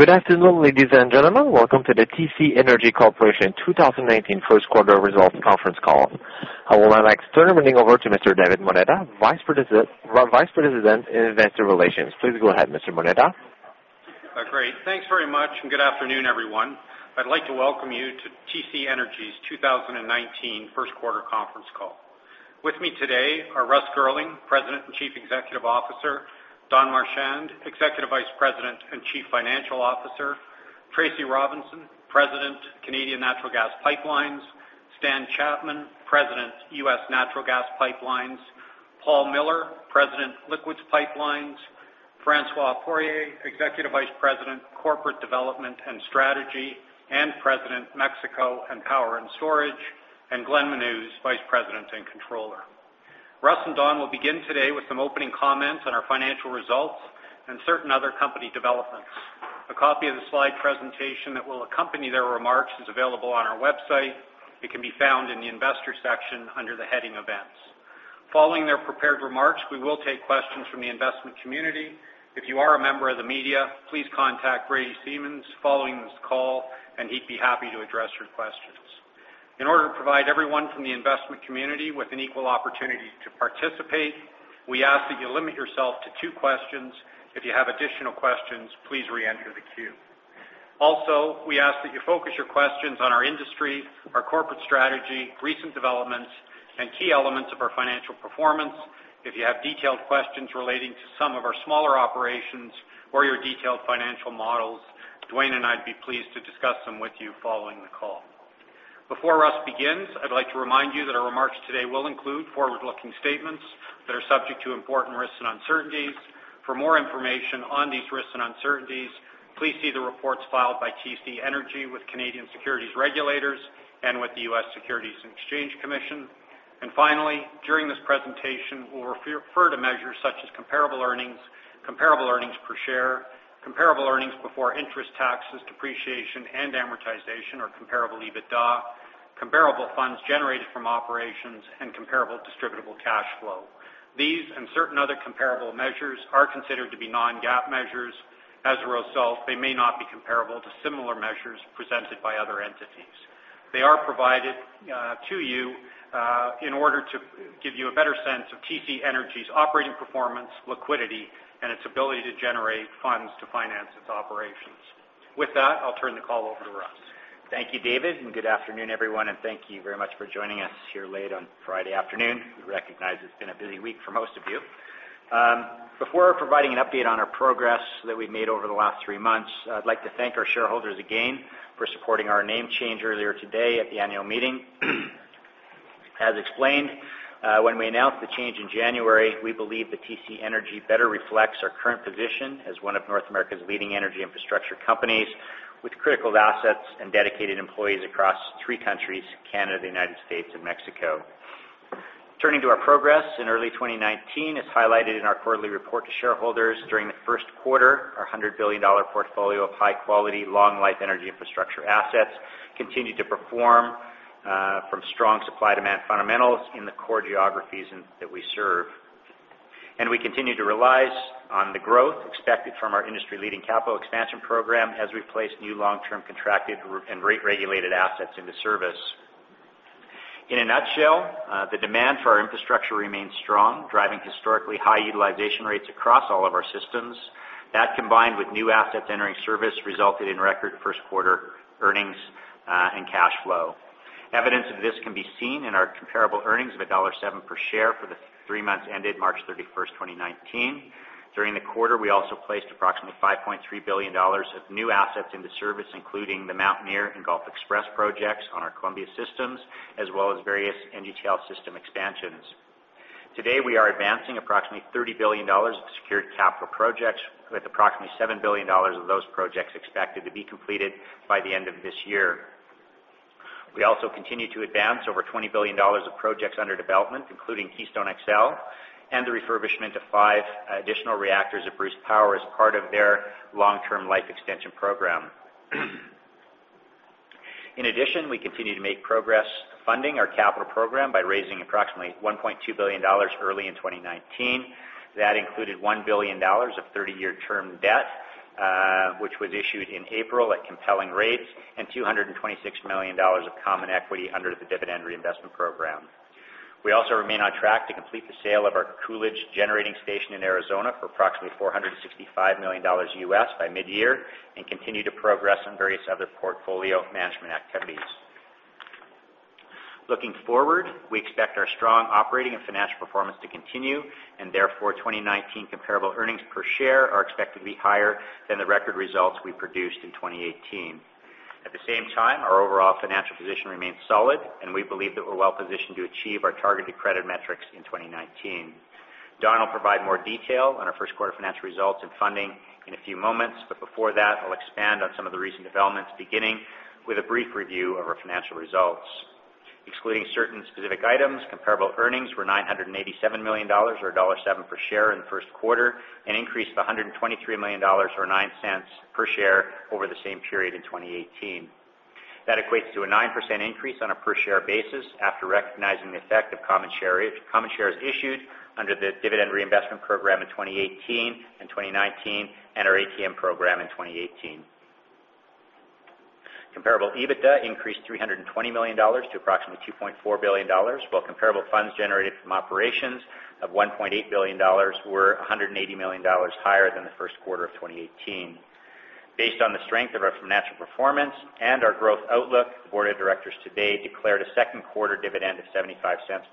Good afternoon, ladies and gentlemen. Welcome to the TC Energy Corporation 2019 first quarter results conference call. I will next turn everything over to Mr. David Moneta, Vice President in Investor Relations. Please go ahead, Mr. Moneta. Great. Thanks very much, good afternoon, everyone. I'd like to welcome you to TC Energy's 2019 first quarter conference call. With me today are Russ Girling, President and Chief Executive Officer, Don Marchand, Executive Vice President and Chief Financial Officer, Tracy Robinson, President, Canadian Natural Gas Pipelines, Stan Chapman, President, U.S. Natural Gas Pipelines, Paul Miller, President, Liquids Pipelines, François Poirier, Executive Vice President, Corporate Development and Strategy, and President, Mexico and Power and Storage, and Glenn Menuz, Vice President and Controller. Russ and Don will begin today with some opening comments on our financial results and certain other company developments. A copy of the slide presentation that will accompany their remarks is available on our website. It can be found in the investor section under the heading Events. Following their prepared remarks, we will take questions from the investment community. If you are a member of the media, please contact Brady Simmons following this call, he'd be happy to address your questions. In order to provide everyone from the investment community with an equal opportunity to participate, we ask that you limit yourself to two questions. If you have additional questions, please re-enter the queue. Also, we ask that you focus your questions on our industry, our corporate strategy, recent developments, and key elements of our financial performance. If you have detailed questions relating to some of our smaller operations or your detailed financial models, Duane and I'd be pleased to discuss them with you following the call. Before Russ begins, I'd like to remind you that our remarks today will include forward-looking statements that are subject to important risks and uncertainties. For more information on these risks and uncertainties, please see the reports filed by TC Energy with Canadian securities regulators and with the U.S. Securities and Exchange Commission. Finally, during this presentation, we'll refer to measures such as comparable earnings, comparable earnings per share, comparable earnings before interest, taxes, depreciation, and amortization or comparable EBITDA, comparable funds generated from operations, and comparable distributable cash flow. These and certain other comparable measures are considered to be non-GAAP measures. As a result, they may not be comparable to similar measures presented by other entities. They are provided to you in order to give you a better sense of TC Energy's operating performance, liquidity, and its ability to generate funds to finance its operations. With that, I'll turn the call over to Russ. Thank you, David, Good afternoon, everyone, and thank you very much for joining us here late on Friday afternoon. We recognize it's been a busy week for most of you. Before providing an update on our progress that we've made over the last three months, I'd like to thank our shareholders again for supporting our name change earlier today at the annual meeting. As explained when we announced the change in January, we believe that TC Energy better reflects our current position as one of North America's leading energy infrastructure companies with critical assets and dedicated employees across three countries, Canada, the United States, and Mexico. Turning to our progress in early 2019, as highlighted in our quarterly report to shareholders during the first quarter, our 100 billion dollar portfolio of high-quality, long-life energy infrastructure assets continued to perform from strong supply-demand fundamentals in the core geographies that we serve. We continue to relies on the growth expected from our industry-leading capital expansion program as we place new long-term contracted and rate-regulated assets into service. In a nutshell, the demand for our infrastructure remains strong, driving historically high utilization rates across all of our systems. That, combined with new assets entering service, resulted in record first-quarter earnings and cash flow. Evidence of this can be seen in our comparable earnings of dollar 1.07 per share for the three months ended March 31st, 2019. During the quarter, we also placed approximately 5.3 billion dollars of new assets into service, including the Mountaineer and Gulf XPress projects on our Columbia systems, as well as various NGTL system expansions. Today, we are advancing approximately 30 billion dollars of secured capital projects, with approximately 7 billion dollars of those projects expected to be completed by the end of this year. We also continue to advance over 20 billion dollars of projects under development, including Keystone XL and the refurbishment of five additional reactors at Bruce Power as part of their Bruce Power Life-Extension Program. In addition, we continue to make progress funding our capital program by raising approximately 1.2 billion dollars early in 2019. That included 1 billion dollars of 30-year term debt, which was issued in April at compelling rates, and 226 million dollars of common equity under the dividend reinvestment program. We also remain on track to complete the sale of our Coolidge Generating Station in Arizona for approximately $465 million U.S. by mid-year and continue to progress on various other portfolio management activities. Looking forward, we expect our strong operating and financial performance to continue, therefore, 2019 comparable earnings per share are expected to be higher than the record results we produced in 2018. At the same time, our overall financial position remains solid, We believe that we're well-positioned to achieve our targeted credit metrics in 2019. Don will provide more detail on our first-quarter financial results and funding in a few moments, Before that, I'll expand on some of the recent developments, beginning with a brief review of our financial results. Excluding certain specific items, comparable earnings were 987 million dollars, or dollar 1.07 per share in the first-quarter, an increase of 123 million dollars or 0.09 per share over the same period in 2018. That equates to a 9% increase on a per-share basis after recognizing the effect of common shares issued under the dividend reinvestment program in 2018 and 2019, and our ATM program in 2018. Comparable EBITDA increased 320 million dollars to approximately 2.4 billion dollars, while comparable funds generated from operations of 1.8 billion dollars were 180 million dollars higher than the first quarter of 2018. Based on the strength of our financial performance and our growth outlook, the board of directors today declared a second quarter dividend of 0.75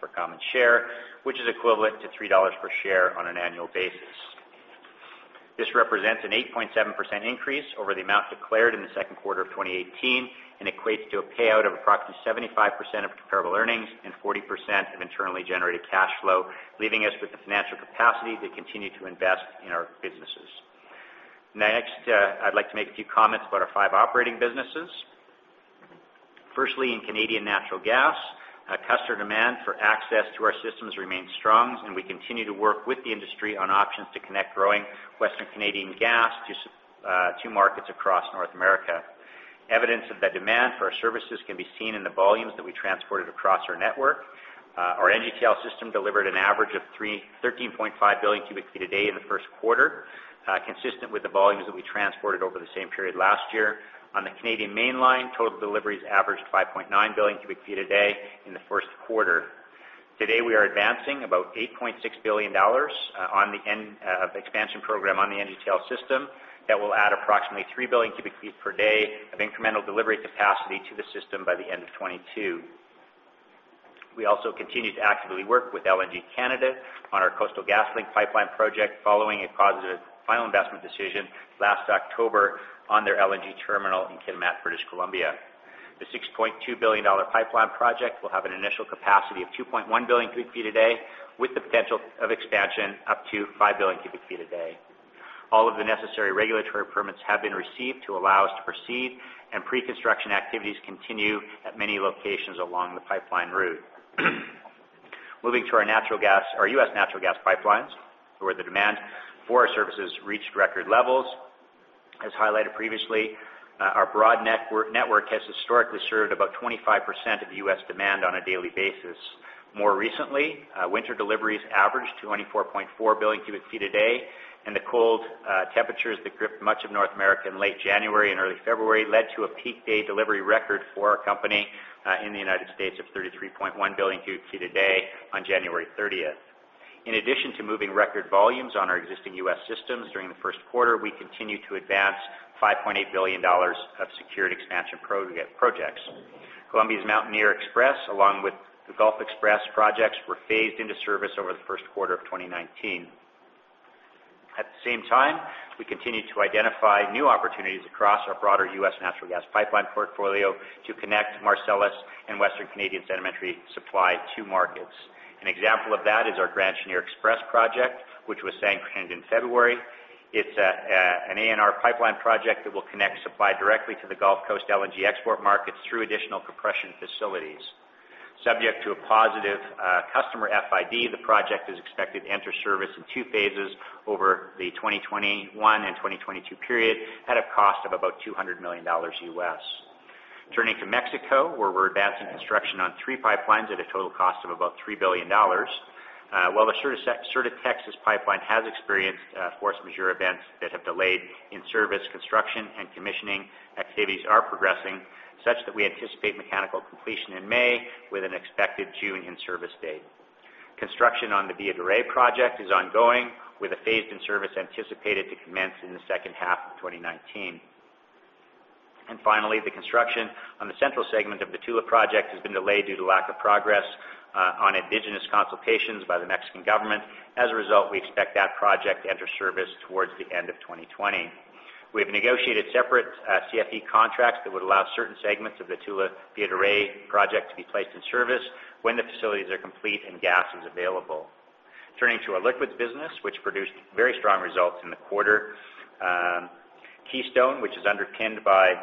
per common share, which is equivalent to 3 dollars per share on an annual basis. This represents an 8.7% increase over the amount declared in the second quarter of 2018 and equates to a payout of approximately 75% of comparable earnings and 40% of internally generated cash flow, leaving us with the financial capacity to continue to invest in our businesses. Next, I'd like to make a few comments about our five operating businesses. Firstly, in Canadian natural gas, customer demand for access to our systems remains strong, and we continue to work with the industry on options to connect growing Western Canadian gas to markets across North America. Evidence of that demand for our services can be seen in the volumes that we transported across our network. Our NGTL system delivered an average of 13.5 billion cubic feet a day in the first quarter, consistent with the volumes that we transported over the same period last year. On the Canadian Mainline, total deliveries averaged 5.9 billion cubic feet a day in the first quarter. Today, we are advancing about 8.6 billion dollars on the expansion program on the NGTL system that will add approximately 3 billion cubic feet per day of incremental delivery capacity to the system by the end of 2022. We also continue to actively work with LNG Canada on our Coastal GasLink pipeline project following a positive final investment decision last October on their LNG terminal in Kitimat, British Columbia. The 6.2 billion dollar pipeline project will have an initial capacity of 2.1 billion cubic feet a day, with the potential of expansion up to 5 billion cubic feet a day. All of the necessary regulatory permits have been received to allow us to proceed, and pre-construction activities continue at many locations along the pipeline route. Moving to our U.S. natural gas pipelines, where the demand for our services reached record levels. As highlighted previously, our broad network has historically served about 25% of U.S. demand on a daily basis. More recently, winter deliveries averaged 24.4 billion cubic feet a day, and the cold temperatures that gripped much of North America in late January and early February led to a peak day delivery record for our company in the United States of 33.1 billion cubic feet a day on January 30th. In addition to moving record volumes on our existing U.S. systems during the first quarter, we continued to advance $5.8 billion of secured expansion projects. Columbia's Mountaineer XPress, along with the Gulf XPress projects, were phased into service over the first quarter of 2019. At the same time, we continued to identify new opportunities across our broader U.S. natural gas pipeline portfolio to connect Marcellus and Western Canadian sedimentary supply to markets. An example of that is our Grand Chenier XPress project, which was sanctioned in February. It is an ANR Pipeline project that will connect supply directly to the Gulf Coast LNG export markets through additional compression facilities. Subject to a positive customer FID, the project is expected to enter service in two phases over the 2021 and 2022 period at a cost of about $200 million. Turning to Mexico, where we are advancing construction on three pipelines at a total cost of about 3 billion dollars. While the Sur de Texas pipeline has experienced force majeure events that have delayed in-service construction and commissioning, activities are progressing such that we anticipate mechanical completion in May with an expected June in-service date. Construction on the Villa de Reyes project is ongoing, with a phased in-service anticipated to commence in the second half of 2019. Finally, the construction on the central segment of the Tula project has been delayed due to lack of progress on indigenous consultations by the Mexican government. As a result, we expect that project to enter service towards the end of 2020. We have negotiated separate CFE contracts that would allow certain segments of the Tula Villa de Reyes project to be placed in service when the facilities are complete and gas is available. Turning to our liquids business, which produced very strong results in the quarter. Keystone, which is underpinned by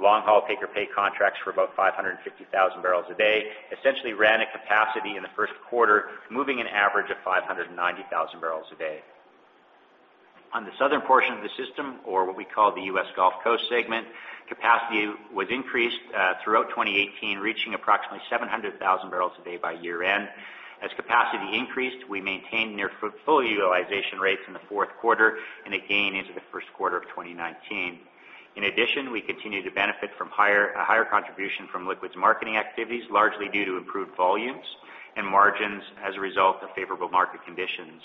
long-haul take-or-pay contracts for about 550,000 barrels a day, essentially ran at capacity in the first quarter, moving an average of 590,000 barrels a day. On the southern portion of the system, or what we call the U.S. Gulf Coast segment, capacity was increased throughout 2018, reaching approximately 700,000 barrels a day by year-end. As capacity increased, we maintained near full utilization rates in the fourth quarter and again into the first quarter of 2019. In addition, we continued to benefit from a higher contribution from liquids marketing activities, largely due to improved volumes and margins as a result of favorable market conditions.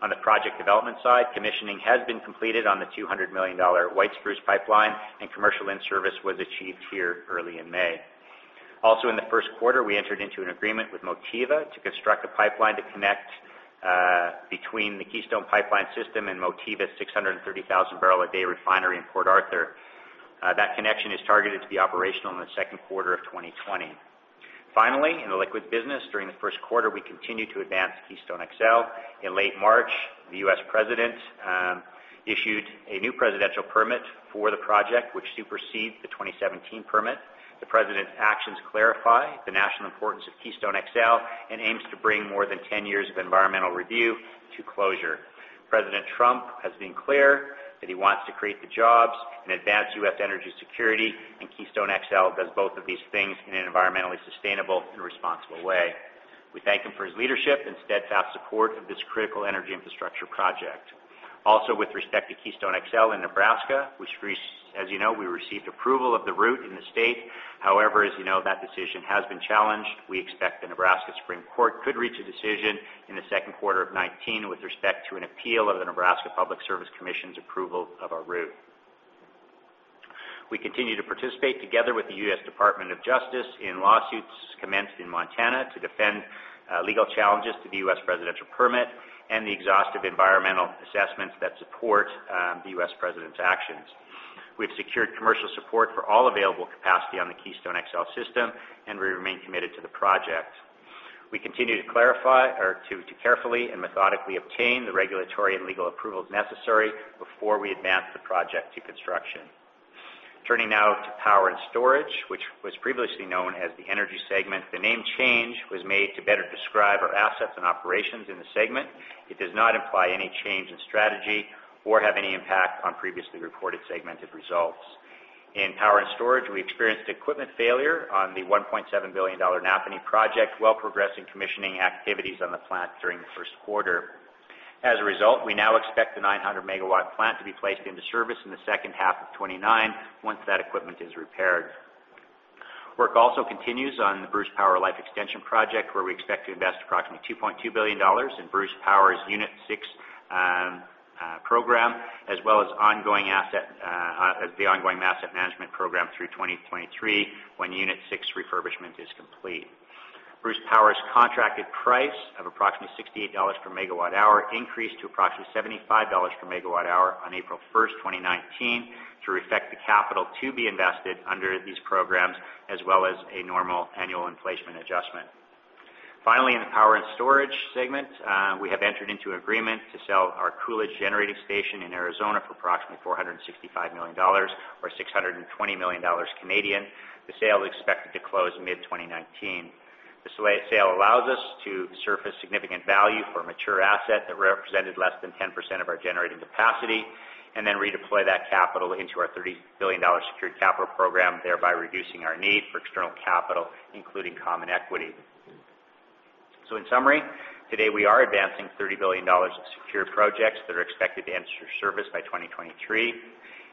On the project development side, commissioning has been completed on the 200 million dollar White Spruce Pipeline, and commercial in-service was achieved here early in May. Also in the first quarter, we entered into an agreement with Motiva to construct a pipeline to connect between the Keystone Pipeline system and Motiva's 630,000-barrel-a-day refinery in Port Arthur. That connection is targeted to be operational in the second quarter of 2020. Finally, in the liquids business, during the first quarter, we continued to advance Keystone XL. In late March, the U.S. President issued a new presidential permit for the project, which supersedes the 2017 permit. The President's actions clarify the national importance of Keystone XL and aims to bring more than 10 years of environmental review to closure. President Trump has been clear that he wants to create the jobs and advance U.S. energy security, and Keystone XL does both of these things in an environmentally sustainable and responsible way. We thank him for his leadership and steadfast support of this critical energy infrastructure project. Also, with respect to Keystone XL in Nebraska, as you know, we received approval of the route in the state. However, as you know, that decision has been challenged. We expect the Nebraska Supreme Court could reach a decision in the second quarter of 2019 with respect to an appeal of the Nebraska Public Service Commission's approval of our route. We continue to participate together with the U.S. Department of Justice in lawsuits commenced in Montana to defend legal challenges to the U.S. presidential permit and the exhaustive environmental assessments that support the U.S. President's actions. We've secured commercial support for all available capacity on the Keystone XL system, and we remain committed to the project. We continue to carefully and methodically obtain the regulatory and legal approvals necessary before we advance the project to construction. Turning now to Power and Storage, which was previously known as the Energy segment. The name change was made to better describe our assets and operations in the segment. It does not imply any change in strategy or have any impact on previously reported segmented results. In Power and Storage, we experienced equipment failure on the 1.7 billion dollar Napanee project while progressing commissioning activities on the plant during the first quarter. As a result, we now expect the 900-megawatt plant to be placed into service in the second half of 2029, once that equipment is repaired. Work also continues on the Bruce Power Life-Extension Project, where we expect to invest approximately 2.2 billion dollars in Bruce Power's Unit Six program, as well as the ongoing asset management program through 2023, when Unit Six refurbishment is complete. Bruce Power's contracted price of approximately 68 dollars per megawatt hour increased to approximately 75 dollars per megawatt hour on April 1st, 2019, to reflect the capital to be invested under these programs, as well as a normal annual inflation adjustment. Finally, in the Power and Storage segment, we have entered into an agreement to sell our Coolidge Generating Station in Arizona for approximately 465 million dollars, or 620 million Canadian dollars. The sale is expected to close mid-2019. This sale allows us to surface significant value for a mature asset that represented less than 10% of our generating capacity, then redeploy that capital into our 30 billion dollar secured capital program, thereby reducing our need for external capital, including common equity. In summary, today, we are advancing 30 billion dollars of secured projects that are expected to enter service by 2023.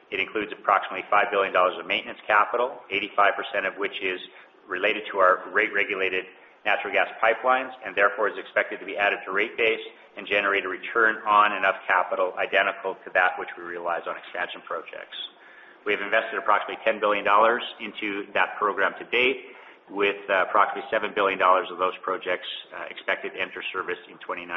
It includes approximately 5 billion dollars of maintenance capital, 85% of which is related to our rate-regulated natural gas pipelines, and therefore is expected to be added to rate base and generate a return on enough capital identical to that which we realize on expansion projects. We have invested approximately 10 billion dollars into that program to date, with approximately 7 billion dollars of those projects expected to enter service in 2019.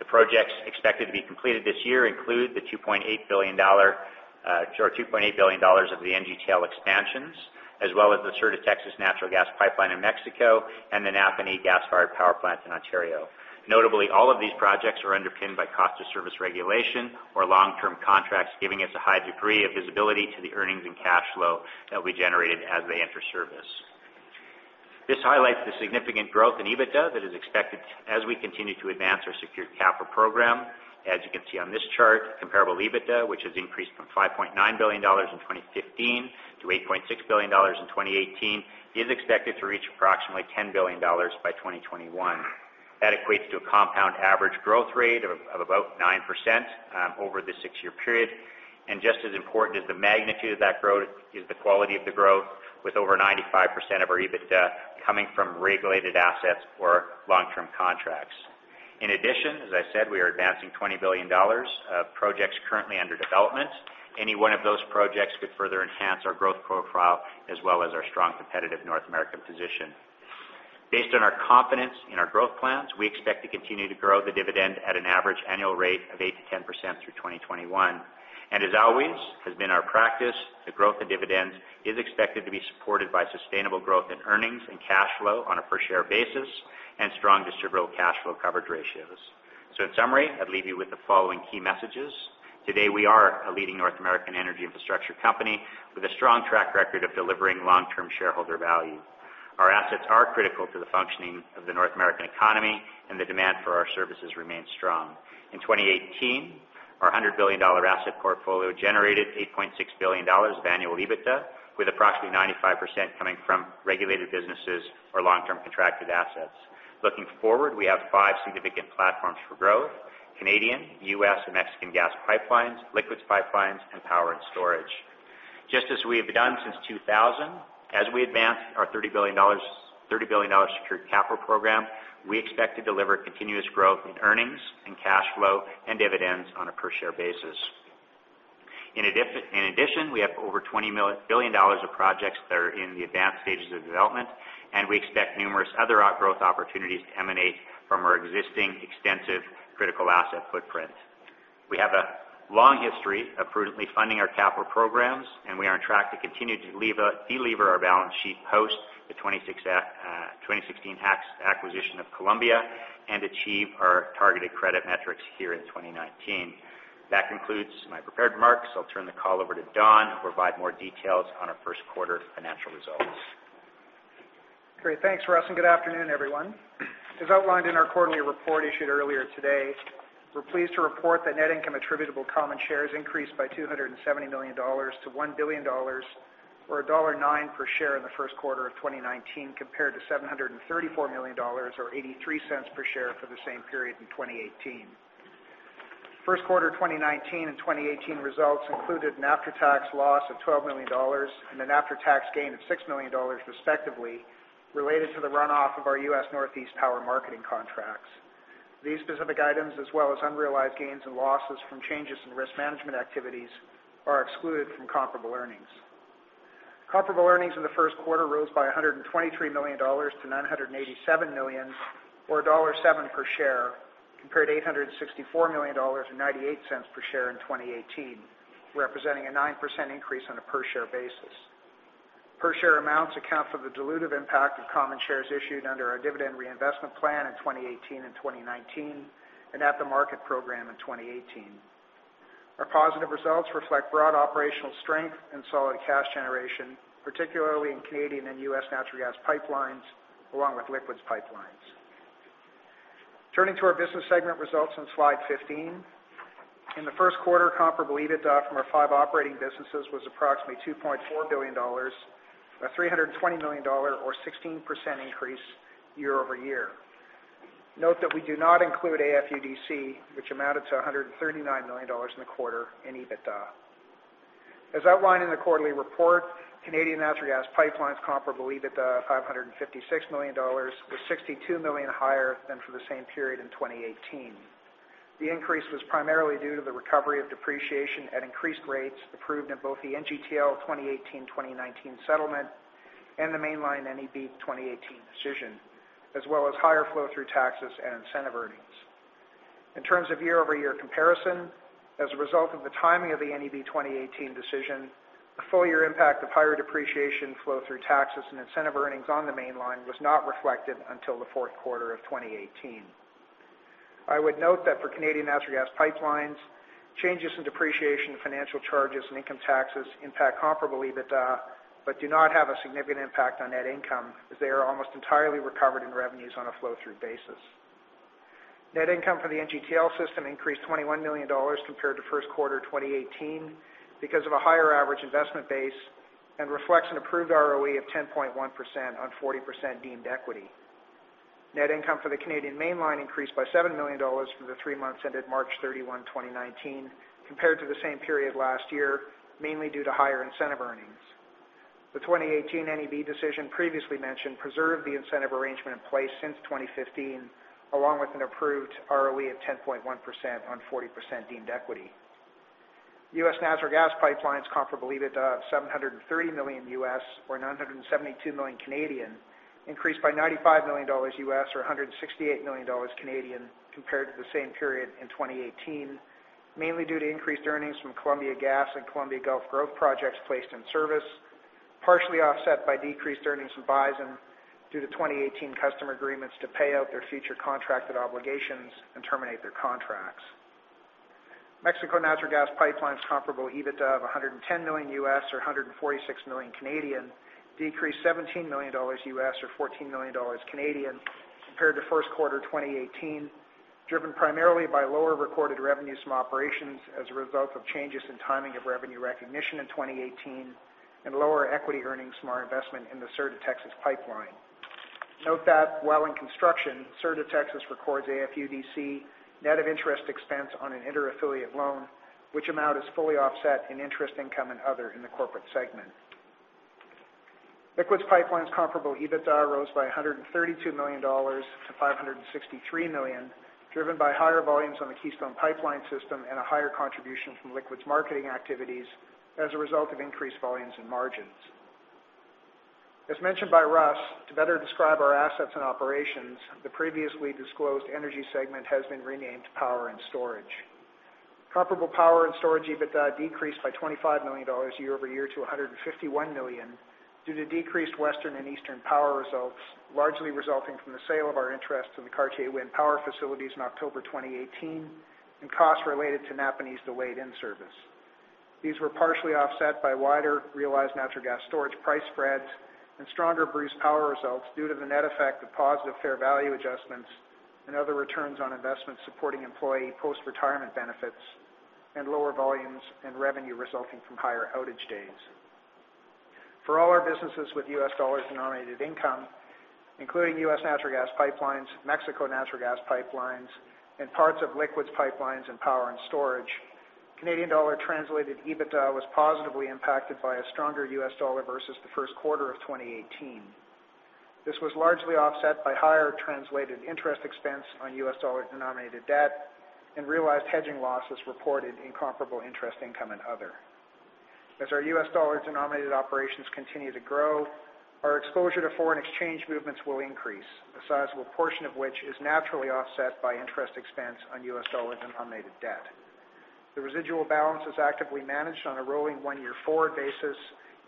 The projects expected to be completed this year include the 2.8 billion dollar of the NGTL expansions, as well as the Sur de Texas natural gas pipeline in Mexico, and the Napanee gas-fired power plant in Ontario. Notably, all of these projects are underpinned by cost of service regulation or long-term contracts, giving us a high degree of visibility to the earnings and cash flow that will be generated as they enter service. This highlights the significant growth in EBITDA that is expected as we continue to advance our secured capital program. As you can see on this chart, comparable EBITDA, which has increased from 5.9 billion dollars in 2015 to 8.6 billion dollars in 2018, is expected to reach approximately 10 billion dollars by 2021. That equates to a compound average growth rate of about 9% over the six-year period. Just as important as the magnitude of that growth is the quality of the growth, with over 95% of our EBITDA coming from regulated assets or long-term contracts. In addition, as I said, we are advancing 20 billion dollars of projects currently under development. Any one of those projects could further enhance our growth profile as well as our strong competitive North American position. Based on our confidence in our growth plans, we expect to continue to grow the dividend at an average annual rate of 8%-10% through 2021. As always has been our practice, the growth in dividends is expected to be supported by sustainable growth in earnings and cash flow on a per-share basis and strong distributable cash flow coverage ratios. In summary, I would leave you with the following key messages. Today, we are a leading North American energy infrastructure company with a strong track record of delivering long-term shareholder value. Our assets are critical to the functioning of the North American economy, and the demand for our services remains strong. In 2018, our 100 billion dollar asset portfolio generated 8.6 billion dollars of annual EBITDA, with approximately 95% coming from regulated businesses or long-term contracted assets. Looking forward, we have five significant platforms for growth: Canadian, U.S., and Mexican gas pipelines, liquids pipelines, and Power and Storage. Just as we have done since 2000, as we advance our 30 billion dollars secured capital program, we expect to deliver continuous growth in earnings and cash flow and dividends on a per-share basis. In addition, we have over 20 billion dollars of projects that are in the advanced stages of development, and we expect numerous other growth opportunities to emanate from our existing extensive critical asset footprint. We have a long history of prudently funding our capital programs, and we are on track to continue to delever our balance sheet post the 2016 acquisition of Columbia and achieve our targeted credit metrics here in 2019. That concludes my prepared remarks. I will turn the call over to Don to provide more details on our first quarter financial results. Great. Thanks, Russ, and good afternoon, everyone. As outlined in our quarterly report issued earlier today, we are pleased to report that net income attributable common shares increased by 270 million dollars to 1 billion dollars, or dollar 1.09 per share in the first quarter of 2019, compared to 734 million dollars, or 0.83 per share for the same period in 2018. First quarter 2019 and 2018 results included an after-tax loss of 12 million dollars and an after-tax gain of 6 million dollars, respectively, related to the runoff of our U.S. Northeast power marketing contracts. These specific items, as well as unrealized gains and losses from changes in risk management activities, are excluded from comparable earnings. Comparable earnings in the first quarter rose by 123 million dollars to 987 million, or dollar 1.07 per share, compared to 864 million dollars, or 0.98 per share in 2018, representing a 9% increase on a per-share basis. Per-share amounts account for the dilutive impact of common shares issued under our dividend reinvestment plan in 2018 and 2019, and at the market program in 2018. Our positive results reflect broad operational strength and solid cash generation, particularly in Canadian Natural Gas Pipelines and U.S. Natural Gas Pipelines, along with Liquids Pipelines. Turning to our business segment results on slide 15. In the first quarter, comparable EBITDA from our five operating businesses was approximately 2.4 billion dollars, a 320 million dollar, or 16% increase year-over-year. Note that we do not include AFUDC, which amounted to 139 million dollars in the quarter in EBITDA. As outlined in the quarterly report, Canadian Natural Gas Pipelines comparable EBITDA of 556 million dollars was 62 million higher than for the same period in 2018. The increase was primarily due to the recovery of depreciation at increased rates approved in both the NGTL 2018-2019 settlement and the Mainline NEB 2018 decision, as well as higher flow-through taxes and incentive earnings. In terms of year-over-year comparison, as a result of the timing of the NEB 2018 decision, the full-year impact of higher depreciation flow through taxes and incentive earnings on the Mainline was not reflected until the fourth quarter of 2018. I would note that for Canadian Natural Gas Pipelines, changes in depreciation, financial charges, and income taxes impact comparable EBITDA, but do not have a significant impact on net income, as they are almost entirely recovered in revenues on a flow-through basis. Net income for the NGTL System increased 21 million dollars compared to first quarter 2018 because of a higher average investment base and reflects an approved ROE of 10.1% on 40% deemed equity. Net income for the Canadian Mainline increased by 7 million dollars for the three months ended March 31, 2019 compared to the same period last year, mainly due to higher incentive earnings. The 2018 NEB decision previously mentioned preserved the incentive arrangement in place since 2015, along with an approved ROE of 10.1% on 40% deemed equity. U.S. Natural Gas Pipelines comparable EBITDA of $730 million U.S., or 972 million, increased by $95 million U.S., or 168 million dollars, compared to the same period in 2018, mainly due to increased earnings from Columbia Gas and Columbia Gulf growth projects placed in service, partially offset by decreased earnings in Bison due to 2018 customer agreements to pay out their future contracted obligations and terminate their contracts. Mexico Natural Gas Pipelines comparable EBITDA of $110 million U.S., or 146 million, decreased $17 million U.S., or 14 million dollars, compared to first quarter 2018, driven primarily by lower recorded revenues from operations as a result of changes in timing of revenue recognition in 2018 and lower equity earnings from our investment in the Sur de Texas pipeline. Note that while in construction, Sur de Texas records AFUDC net of interest expense on an inter-affiliate loan, which amount is fully offset in interest income and other in the corporate segment. Liquids Pipelines comparable EBITDA rose by 132 million dollars to 563 million, driven by higher volumes on the Keystone Pipeline System and a higher contribution from liquids marketing activities as a result of increased volumes and margins. As mentioned by Russ, to better describe our assets and operations, the previously disclosed energy segment has been renamed Power and Storage. Comparable Power and Storage EBITDA decreased by 25 million dollars year-over-year to 151 million due to decreased Western and Eastern power results, largely resulting from the sale of our interest in the Cartier wind power facilities in October 2018 and costs related to Napanee's delayed in-service. These were partially offset by wider realized natural gas storage price spreads and stronger Bruce Power results due to the net effect of positive fair value adjustments and other returns on investments supporting employee post-retirement benefits and lower volumes and revenue resulting from higher outage days. For all our businesses with U.S. dollar-denominated income, including U.S. natural gas pipelines, Mexico natural gas pipelines, and parts of liquids pipelines and Power and Storage, Canadian dollar-translated EBITDA was positively impacted by a stronger U.S. dollar versus the first quarter of 2018. This was largely offset by higher translated interest expense on U.S. dollar-denominated debt and realized hedging losses reported in comparable interest income and other. As our U.S. dollar-denominated operations continue to grow, our exposure to foreign exchange movements will increase, a sizable portion of which is naturally offset by interest expense on U.S. dollar-denominated debt. The residual balance is actively managed on a rolling one-year forward basis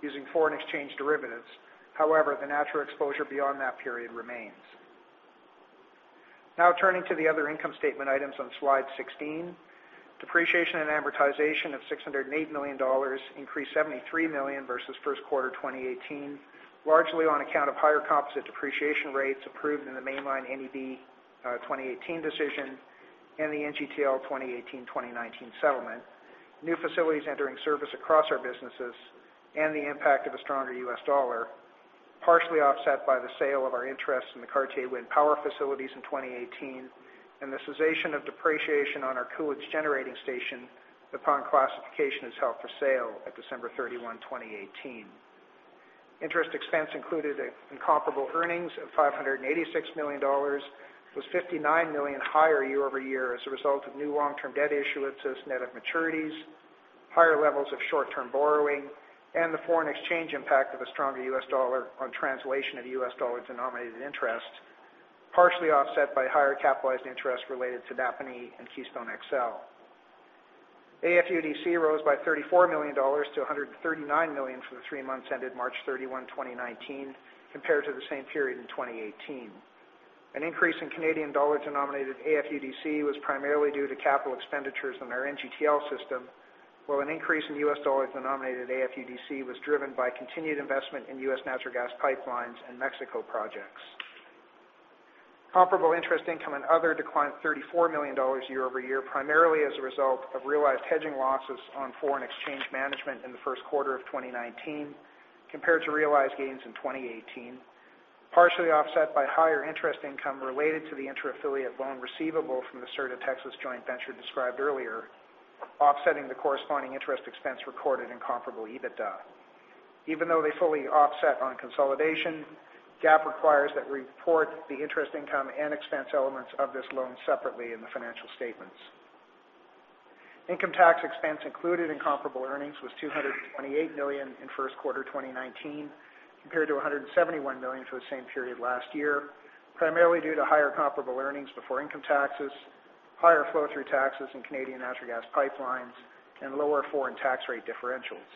using foreign exchange derivatives. However, the natural exposure beyond that period remains. Turning to the other income statement items on slide 16. Depreciation and amortization of 608 million dollars, increased 73 million versus first quarter 2018, largely on account of higher composite depreciation rates approved in the Mainline NEB 2018 decision and the NGTL 2018-2019 settlement. New facilities entering service across our businesses and the impact of a stronger U.S. dollar, partially offset by the sale of our interest in the Cartier Wind Power facilities in 2018, and the cessation of depreciation on our Coolidge Generating Station upon classification as held for sale at December 31, 2018. Interest expense included in comparable earnings of 586 million dollars, was 59 million higher year-over-year as a result of new long-term debt issuances, net of maturities, higher levels of short-term borrowing, and the foreign exchange impact of a stronger U.S. dollar on translation of U.S. dollar-denominated interest, partially offset by higher capitalized interest related to DAPL and Keystone XL. AFUDC rose by 34 million dollars to 139 million for the three months ended March 31, 2019, compared to the same period in 2018. An increase in Canadian dollar-denominated AFUDC was primarily due to capital expenditures on our NGTL system, while an increase in U.S. dollar-denominated AFUDC was driven by continued investment in U.S. natural gas pipelines and Mexico projects. Comparable interest income and other declined 34 million dollars year-over-year, primarily as a result of realized hedging losses on foreign exchange management in the first quarter of 2019 compared to realized gains in 2018, partially offset by higher interest income related to the intra-affiliate loan receivable from the Sur de Texas joint venture described earlier, offsetting the corresponding interest expense recorded in comparable EBITDA. Even though they fully offset on consolidation, GAAP requires that we report the interest income and expense elements of this loan separately in the financial statements. Income tax expense included in comparable earnings was 228 million in first quarter 2019, compared to 171 million for the same period last year, primarily due to higher comparable earnings before income taxes, higher flow-through taxes in Canadian natural gas pipelines, and lower foreign tax rate differentials.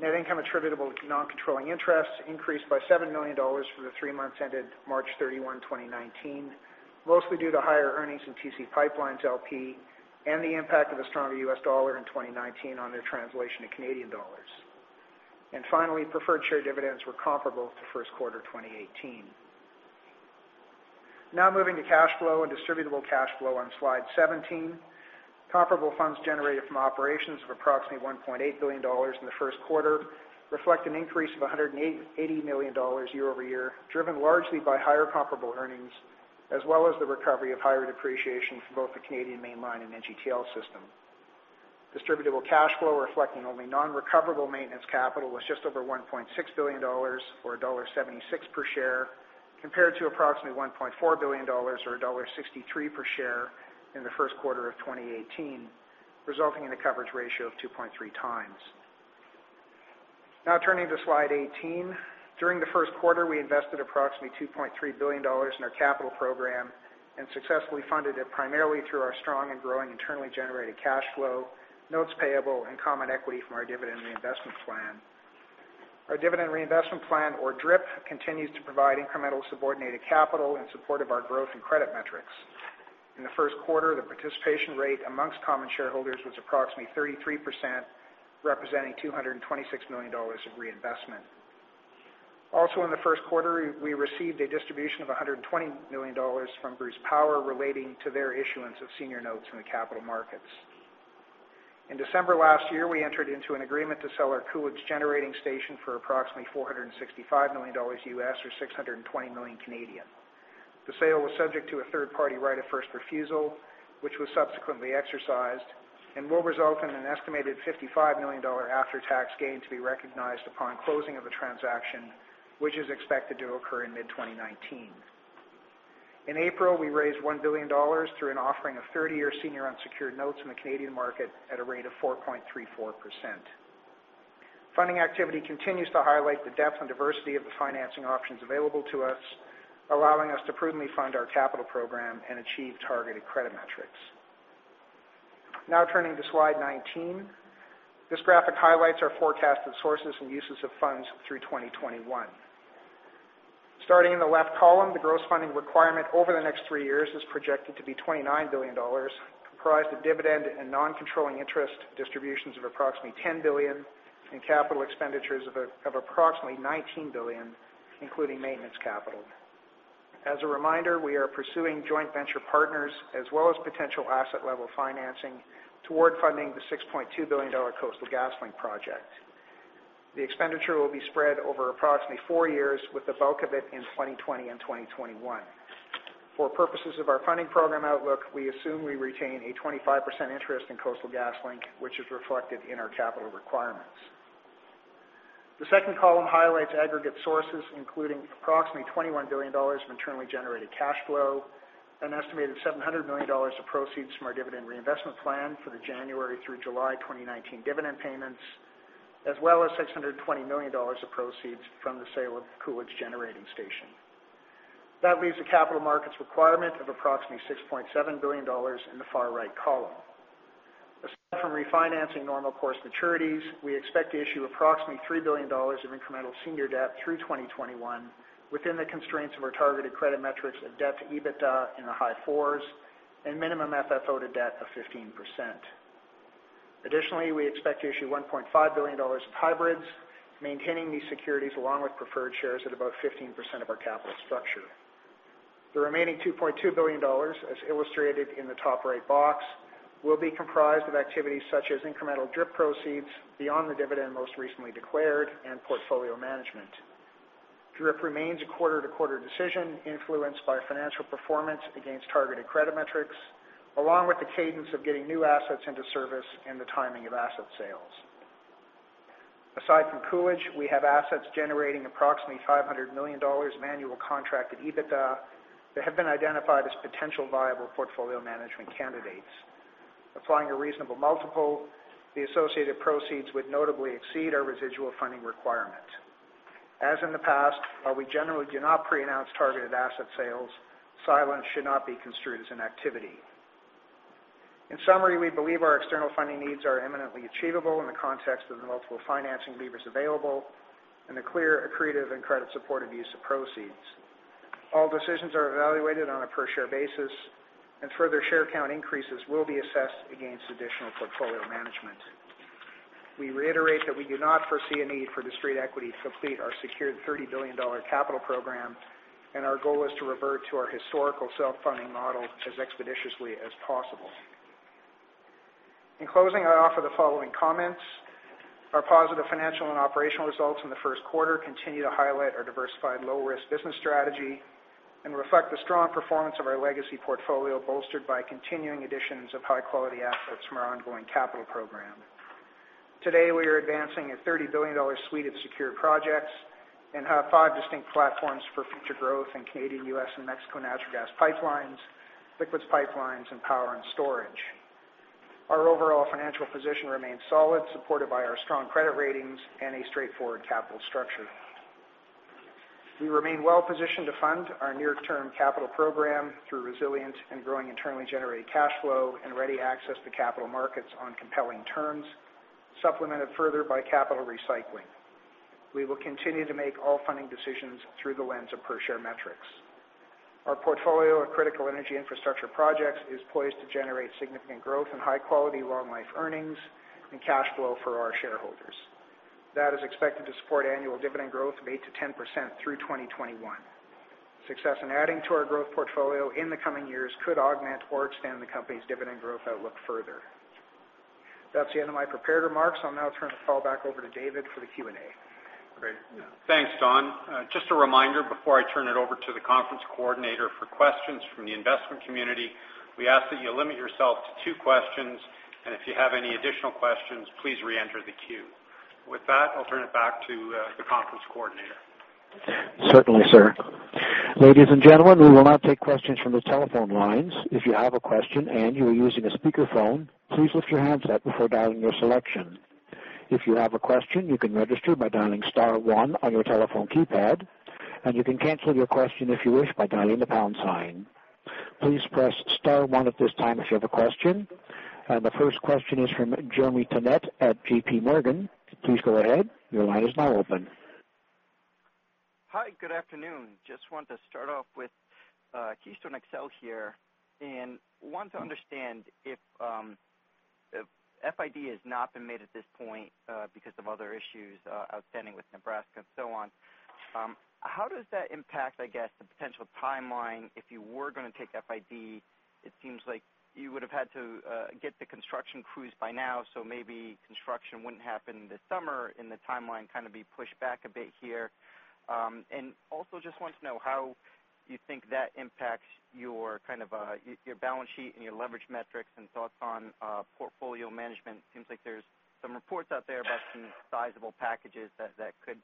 Net income attributable to non-controlling interests increased by 7 million dollars for the three months ended March 31, 2019, mostly due to higher earnings in TC PipeLines, LP and the impact of a stronger U.S. dollar in 2019 on their translation to Canadian dollars. Finally, preferred share dividends were comparable to first quarter 2018. Now moving to cash flow and distributable cash flow on slide 17. Comparable funds generated from operations of approximately 1.8 billion dollars in the first quarter reflect an increase of 180 million dollars year-over-year, driven largely by higher comparable earnings, as well as the recovery of higher depreciation for both the Canadian Mainline and NGTL System. Distributable cash flow reflecting only non-recoverable maintenance capital was just over 1.6 billion dollars, or dollar 1.76 per share, compared to approximately 1.4 billion dollars, or dollar 1.63 per share in the first quarter of 2018, resulting in a coverage ratio of 2.3 times. Now turning to slide 18. During the first quarter, we invested approximately 2.3 billion dollars in our capital program and successfully funded it primarily through our strong and growing internally generated cash flow, notes payable, and common equity from our dividend reinvestment plan. Our dividend reinvestment plan, or DRIP, continues to provide incremental subordinated capital in support of our growth and credit metrics. In the first quarter, the participation rate amongst common shareholders was approximately 33%, representing 226 million dollars of reinvestment. Also in the first quarter, we received a distribution of 120 million dollars from Bruce Power relating to their issuance of senior notes in the capital markets. In December last year, we entered into an agreement to sell our Coolidge Generating Station for approximately $465 million U.S., or 620 million Canadian dollars Canadian. The sale was subject to a third-party right of first refusal, which was subsequently exercised and will result in an estimated 55 million dollar after-tax gain to be recognized upon closing of the transaction, which is expected to occur in mid-2019. In April, we raised 1 billion dollars through an offering of 30-year senior unsecured notes in the Canadian market at a rate of 4.34%. Funding activity continues to highlight the depth and diversity of the financing options available to us, allowing us to prudently fund our capital program and achieve targeted credit metrics. Now turning to slide 19. This graphic highlights our forecasted sources and uses of funds through 2021. Starting in the left column, the gross funding requirement over the next three years is projected to be 29 billion dollars, comprised of dividend and non-controlling interest distributions of approximately 10 billion, and capital expenditures of approximately 19 billion, including maintenance capital. As a reminder, we are pursuing joint venture partners as well as potential asset-level financing toward funding the 6.2 billion dollar Coastal GasLink project. The expenditure will be spread over approximately four years, with the bulk of it in 2020 and 2021. For purposes of our funding program outlook, we assume we retain a 25% interest in Coastal GasLink, which is reflected in our capital requirements. The second column highlights aggregate sources, including approximately 21 billion dollars of internally generated cash flow, an estimated 700 million dollars of proceeds from our dividend reinvestment plan for the January through July 2019 dividend payments, as well as 620 million dollars of proceeds from the sale of Coolidge Generating Station. That leaves a capital markets requirement of approximately 6.7 billion dollars in the far right column. Refinancing normal course maturities, we expect to issue approximately 3 billion dollars of incremental senior debt through 2021 within the constraints of our targeted credit metrics of debt-to-EBITDA in the high fours and minimum FFO to debt of 15%. Additionally, we expect to issue 1.5 billion dollars of hybrids, maintaining these securities along with preferred shares at about 15% of our capital structure. The remaining 2.2 billion dollars, as illustrated in the top-right box, will be comprised of activities such as incremental DRIP proceeds beyond the dividend most recently declared and portfolio management. DRIP remains a quarter-to-quarter decision influenced by financial performance against targeted credit metrics, along with the cadence of getting new assets into service and the timing of asset sales. Aside from Coolidge, we have assets generating approximately 500 million dollars annual contracted EBITDA that have been identified as potential viable portfolio management candidates. Applying a reasonable multiple, the associated proceeds would notably exceed our residual funding requirement. As in the past, while we generally do not pre-announce targeted asset sales, silence should not be construed as an activity. In summary, we believe our external funding needs are imminently achievable in the context of the multiple financing levers available and the clear, accretive, and credit-supportive use of proceeds. All decisions are evaluated on a per-share basis, and further share count increases will be assessed against additional portfolio management. We reiterate that we do not foresee a need for the street equity to complete our secured 30 billion dollar capital program, and our goal is to revert to our historical self-funding model as expeditiously as possible. In closing, I offer the following comments. Our positive financial and operational results in the first quarter continue to highlight our diversified low-risk business strategy and reflect the strong performance of our legacy portfolio, bolstered by continuing additions of high-quality assets from our ongoing capital program. Today, we are advancing a 30 billion dollar suite of secure projects and have five distinct platforms for future growth in Canadian, U.S., and Mexican natural gas pipelines, liquids pipelines, and Power and Storage. Our overall financial position remains solid, supported by our strong credit ratings and a straightforward capital structure. We remain well-positioned to fund our near-term capital program through resilient and growing internally generated cash flow and ready access to capital markets on compelling terms, supplemented further by capital recycling. We will continue to make all funding decisions through the lens of per-share metrics. Our portfolio of critical energy infrastructure projects is poised to generate significant growth and high-quality, long-life earnings and cash flow for our shareholders. That is expected to support annual dividend growth of 8%-10% through 2021. Success in adding to our growth portfolio in the coming years could augment or extend the company's dividend growth outlook further. That's the end of my prepared remarks. I'll now turn the call back over to David for the Q&A. Great. Thanks, Don. Just a reminder before I turn it over to the conference coordinator for questions from the investment community, we ask that you limit yourself to two questions, and if you have any additional questions, please reenter the queue. With that, I'll turn it back to the conference coordinator. Certainly, sir. Ladies and gentlemen, we will now take questions from the telephone lines. If you have a question and you are using a speakerphone, please lift your handset before dialing your selection. If you have a question, you can register by dialing *1 on your telephone keypad, you can cancel your question if you wish by dialing the # sign. Please press *1 at this time if you have a question. The first question is from Jeremy Tonet at J.P. Morgan. Please go ahead. Your line is now open. Hi, good afternoon. Just wanted to start off with Keystone XL here and want to understand if, FID has not been made at this point because of other issues outstanding with Nebraska and so on. How does that impact, I guess, the potential timeline if you were going to take FID? It seems like you would've had to get the construction crews by now, so maybe construction wouldn't happen this summer and the timeline be pushed back a bit here. Also just want to know how you think that impacts your balance sheet and your leverage metrics and thoughts on portfolio management. It seems like there's some reports out there about some sizable packages that could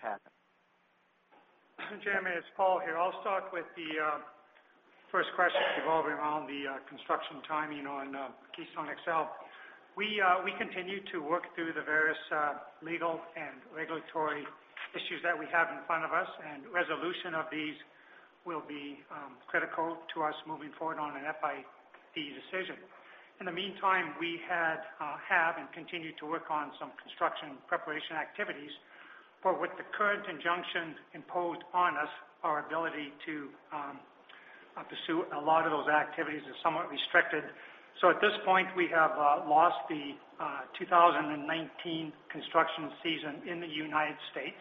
happen. Jeremy, it's Paul here. I'll start with the first question revolving around the construction timing on Keystone XL. We continue to work through the various legal and regulatory issues that we have in front of us, resolution of these will be critical to us moving forward on an FID decision. In the meantime, we have and continue to work on some construction preparation activities. With the current injunctions imposed on us, our ability to pursue a lot of those activities is somewhat restricted. At this point, we have lost the 2019 construction season in the United States.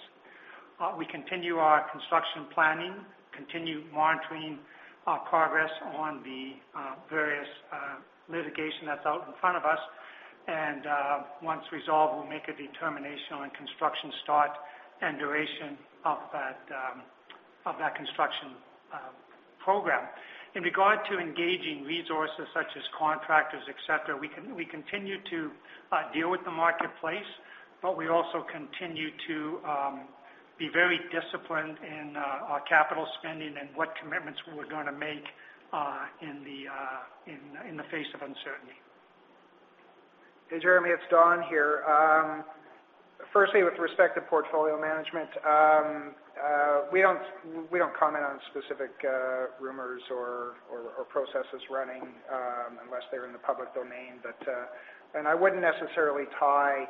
We continue our construction planning, continue monitoring our progress on the various litigation that's out in front of us, once resolved, we'll make a determination on construction start and duration of that construction program. In regard to engaging resources such as contractors, et cetera, we continue to deal with the marketplace, but we also continue to be very disciplined in our capital spending and what commitments we're going to make in the face of uncertainty. Hey, Jeremy, it's Don here. Firstly, with respect to portfolio management, we don't comment on specific rumors or processes running, unless they're in the public domain. I wouldn't necessarily tie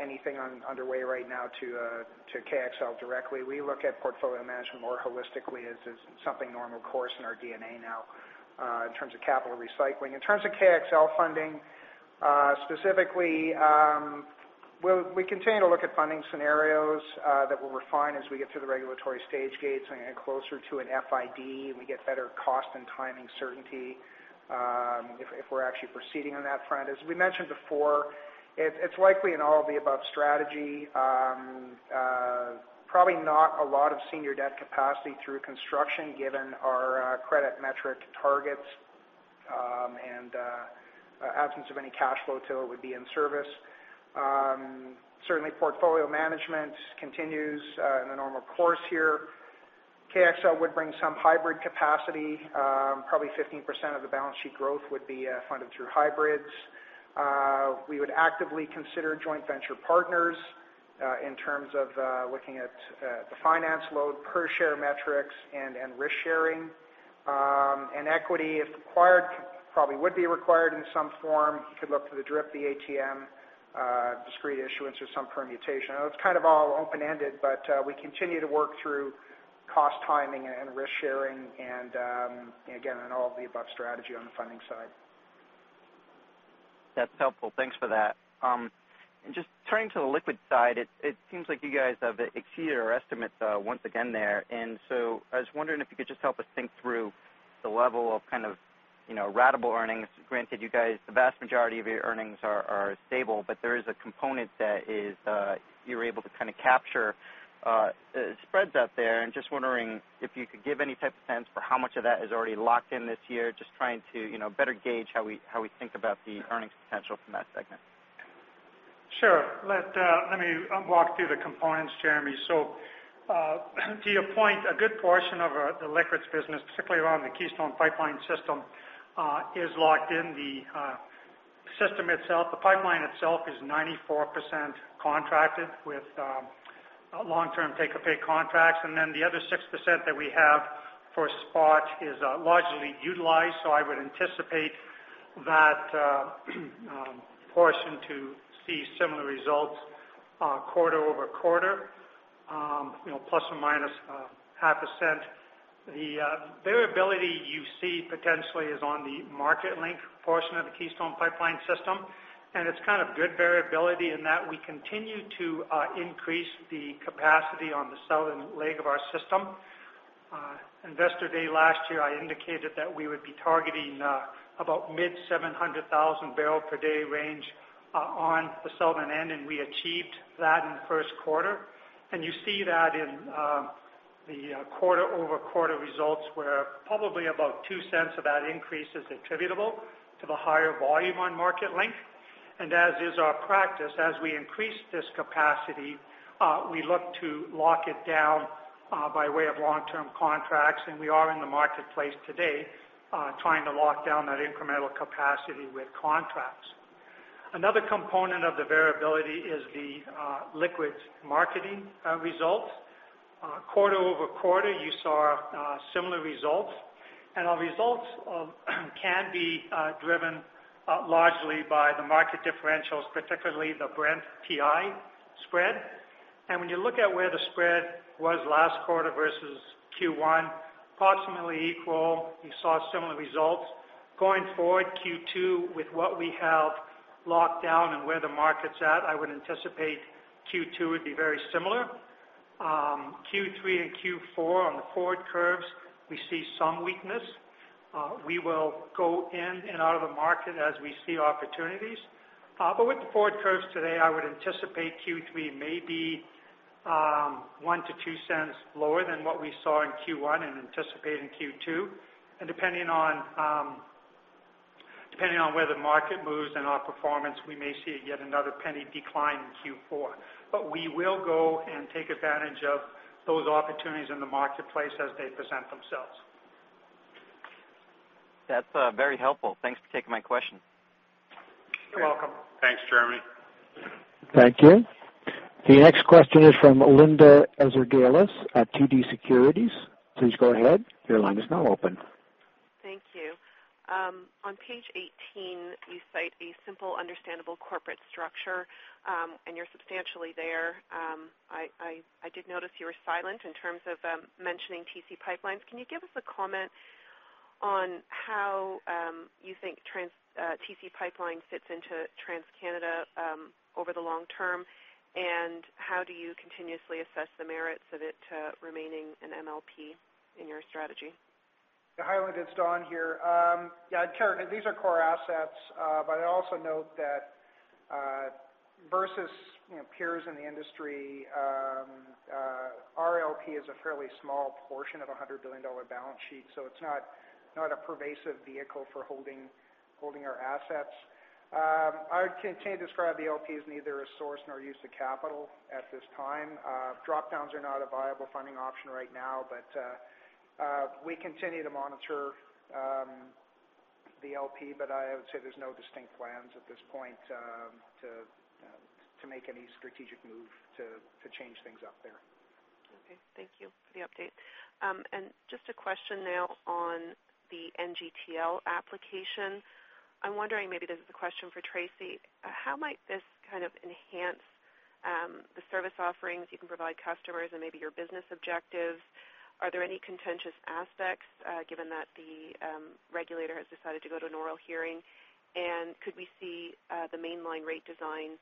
anything underway right now to KXL directly. We look at portfolio management more holistically as something normal course in our DNA now, in terms of capital recycling. In terms of KXL funding, specifically, we continue to look at funding scenarios that we'll refine as we get through the regulatory stage gates and get closer to an FID, and we get better cost and timing certainty if we're actually proceeding on that front. As we mentioned before, it's likely an all-of-the-above strategy. Probably not a lot of senior debt capacity through construction given our credit metric targets, and absence of any cash flow till it would be in service. Certainly, portfolio management continues in the normal course here. KXL would bring some hybrid capacity. Probably 15% of the balance sheet growth would be funded through hybrids. We would actively consider joint venture partners, in terms of looking at the finance load per share metrics and risk-sharing. Equity, if required, probably would be required in some form. You could look to the DRIP, the ATM, discrete issuance or some permutation. It's all open-ended, but we continue to work through cost timing and risk-sharing, and again, an all-of-the-above strategy on the funding side. That's helpful. Thanks for that. Just turning to the liquid side, it seems like you guys have exceeded our estimates once again there. I was wondering if you could just help us think through the level of ratable earnings. Granted, you guys, the vast majority of your earnings are stable, but there is a component that you're able to capture spreads out there. Just wondering if you could give any type of sense for how much of that is already locked in this year, just trying to better gauge how we think about the earnings potential from that segment. Sure. Let me walk through the components, Jeremy. To your point, a good portion of the liquids business, particularly around the Keystone Pipeline System, is locked in the system itself. The pipeline itself is 94% contracted with long-term take-or-pay contracts, and then the other 6% that we have for spot is largely utilized. I would anticipate that portion to see similar results quarter-over-quarter, plus or minus 0.5%. The variability you see potentially is on the MarketLink portion of the Keystone Pipeline System, and it's good variability in that we continue to increase the capacity on the southern leg of our system. Investor Day last year, I indicated that we would be targeting about mid-700,000 barrel per day range on the southern end. We achieved that in the first quarter. You see that in the quarter-over-quarter results, where probably about 0.02 of that increase is attributable to the higher volume on MarketLink. As is our practice, as we increase this capacity, we look to lock it down by way of long-term contracts. We are in the marketplace today trying to lock down that incremental capacity with contracts. Another component of the variability is the liquids marketing results. Quarter-over-quarter, you saw similar results. Our results can be driven largely by the market differentials, particularly the Brent-WTI spread. When you look at where the spread was last quarter versus Q1, approximately equal, you saw similar results. Going forward, Q2, with what we have locked down and where the market's at, I would anticipate Q2 would be very similar. Q3 and Q4 on the forward curves, we see some weakness. We will go in and out of the market as we see opportunities. With the forward curves today, I would anticipate Q3 may be 0.01 to 0.02 lower than what we saw in Q1 and anticipate in Q2. Depending on where the market moves and our performance, we may see yet another CAD 0.01 decline in Q4. We will go and take advantage of those opportunities in the marketplace as they present themselves. That's very helpful. Thanks for taking my question. You're welcome. Thanks, Jeremy. Thank you. The next question is from Linda Ezergailis at TD Securities. Please go ahead. Your line is now open. Thank you. On page 18, you cite a simple, understandable corporate structure, and you're substantially there. I did notice you were silent in terms of mentioning TC PipeLines. Can you give us a comment on how you think TC PipeLines fits into TC Energy over the long term, and how do you continuously assess the merits of it remaining an MLP in your strategy? Hi, Linda, it's Don here. These are core assets, but I'd also note that versus peers in the industry, our LP is a fairly small portion of a 100 billion dollar balance sheet, so it's not a pervasive vehicle for holding our assets. I would continue to describe the LP as neither a source nor use of capital at this time. Drop-downs are not a viable funding option right now. We continue to monitor The LP. I would say there's no distinct plans at this point to make any strategic move to change things up there. Okay. Thank you for the update. Just a question now on the NGTL application. I'm wondering, maybe this is a question for Tracy, how might this enhance the service offerings you can provide customers and maybe your business objectives? Are there any contentious aspects, given that the regulator has decided to go to an oral hearing? Could we see the Mainline rate design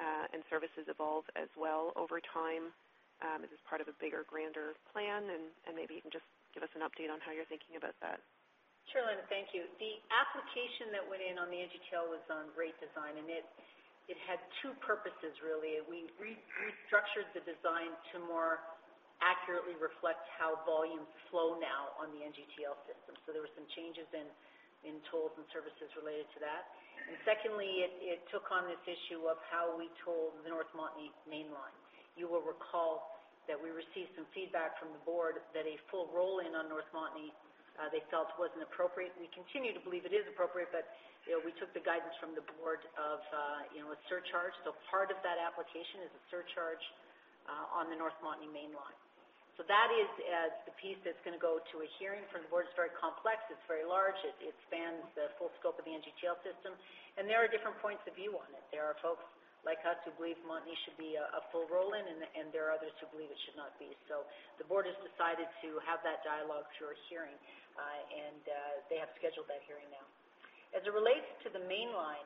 and services evolve as well over time as part of a bigger, grander plan? Maybe you can just give us an update on how you're thinking about that. Sure, Linda. Thank you. The application that went in on the NGTL was on rate design, and it had two purposes, really. We restructured the design to more accurately reflect how volumes flow now on the NGTL System. There were some changes in tolls and services related to that. Secondly, it took on this issue of how we toll the North Montney mainline. You will recall that we received some feedback from the board that a full roll-in on North Montney, they felt wasn't appropriate. We continue to believe it is appropriate, but we took the guidance from the board with surcharge. Part of that application is a surcharge on the North Montney mainline. That is the piece that's going to go to a hearing from the board. It's very complex. It's very large. It spans the full scope of the NGTL System, and there are different points of view on it. There are folks like us who believe Montney should be a full roll-in, and there are others who believe it should not be. The board has decided to have that dialogue through a hearing, and they have scheduled that hearing now. As it relates to the mainline,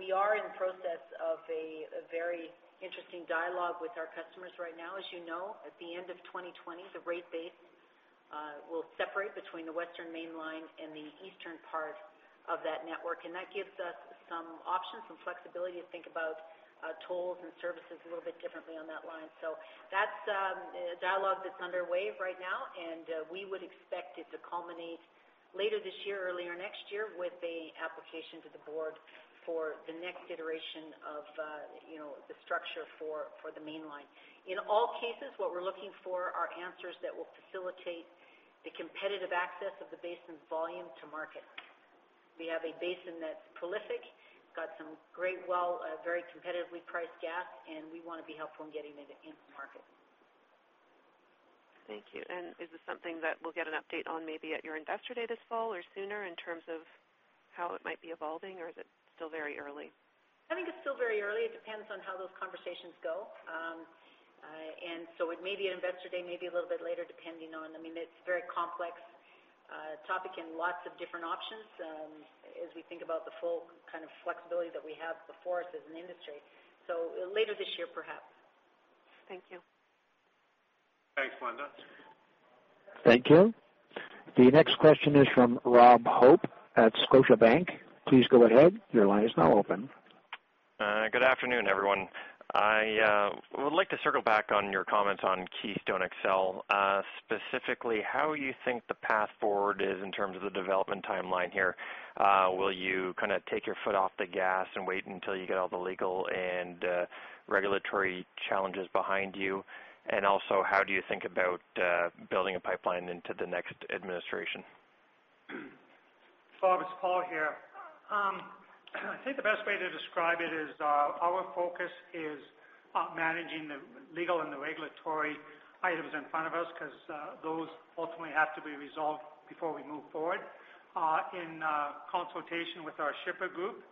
we are in the process of a very interesting dialogue with our customers right now. As you know, at the end of 2020, the rate base will separate between the western mainline and the eastern part of that network, and that gives us some options and flexibility to think about tolls and services a little bit differently on that line. That's a dialogue that's underway right now, and we would expect it to culminate later this year, earlier next year, with a application to the board for the next iteration of the structure for the mainline. In all cases, what we're looking for are answers that will facilitate the competitive access of the basin's volume to market. We have a basin that's prolific, got some very competitively priced gas, and we want to be helpful in getting it into market. Thank you. Is this something that we'll get an update on maybe at your Investor Day this fall or sooner in terms of how it might be evolving, or is it still very early? I think it's still very early. It depends on how those conversations go. It may be at Investor Day, maybe a little bit later, depending on. It's a very complex topic and lots of different options as we think about the full kind of flexibility that we have before us as an industry. Later this year, perhaps. Thank you. Thanks, Linda. Thank you. The next question is from Rob Hope at Scotiabank. Please go ahead. Your line is now open. Good afternoon, everyone. I would like to circle back on your comments on Keystone XL, specifically how you think the path forward is in terms of the development timeline here. Will you take your foot off the gas and wait until you get all the legal and regulatory challenges behind you? How do you think about building a pipeline into the next administration? Rob, it's Paul here. I think the best way to describe it is our focus is on managing the legal and the regulatory items in front of us because those ultimately have to be resolved before we move forward. In consultation with our shipper group,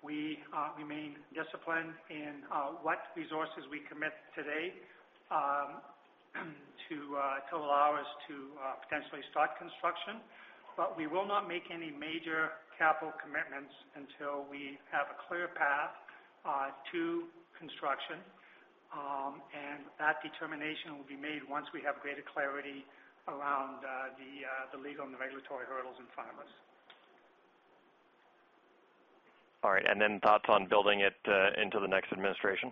we remain disciplined in what resources we commit today to allow us to potentially start construction. We will not make any major capital commitments until we have a clear path to construction, and that determination will be made once we have greater clarity around the legal and the regulatory hurdles in front of us. All right, thoughts on building it into the next administration?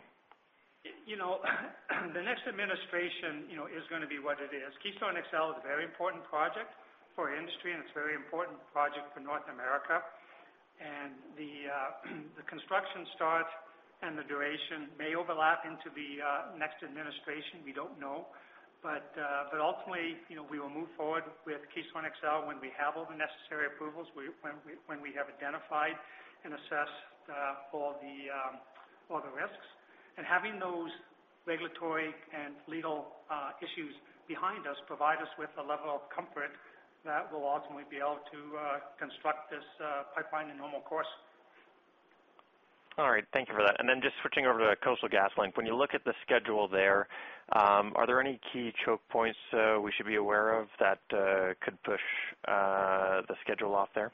The next administration is going to be what it is. Keystone XL is a very important project for industry, and it's a very important project for North America, and the construction start and the duration may overlap into the next administration. We don't know. Ultimately, we will move forward with Keystone XL when we have all the necessary approvals, when we have identified and assessed all the risks. Having those regulatory and legal issues behind us provide us with a level of comfort that we'll ultimately be able to construct this pipeline in normal course. All right. Thank you for that. Just switching over to Coastal GasLink. When you look at the schedule there, are there any key choke points we should be aware of that could push the schedule off there?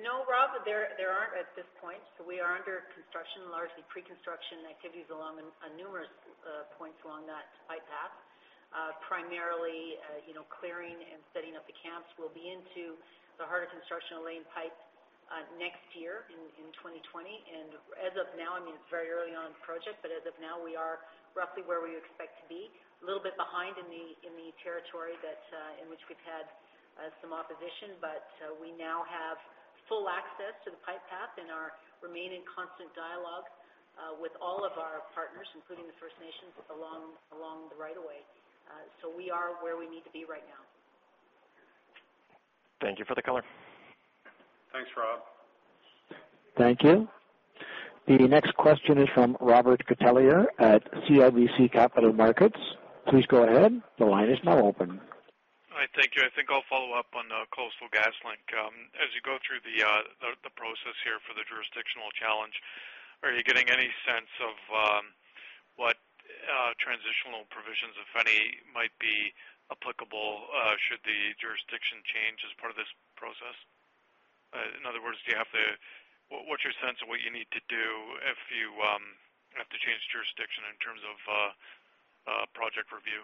No, Rob, there aren't at this point. We are under construction, largely pre-construction activities along numerous points along that pipe path. Primarily, clearing and setting up the camps. We'll be into the harder construction of laying pipe next year in 2020. As of now, it's very early on in the project, but as of now, we are roughly where we expect to be. A little bit behind in the territory in which we've had some opposition, but we now full access to the pipe path and our remaining constant dialogue with all of our partners, including the First Nations, along the right of way. We are where we need to be right now. Thank you for the color. Thanks, Rob. Thank you. The next question is from Robert Catellier at CIBC Capital Markets. Please go ahead. The line is now open. Hi, thank you. I think I'll follow up on the Coastal GasLink. As you go through the process here for the jurisdictional challenge, are you getting any sense of what transitional provisions, if any, might be applicable should the jurisdiction change as part of this process? In other words, what's your sense of what you need to do if you have to change jurisdiction in terms of project review?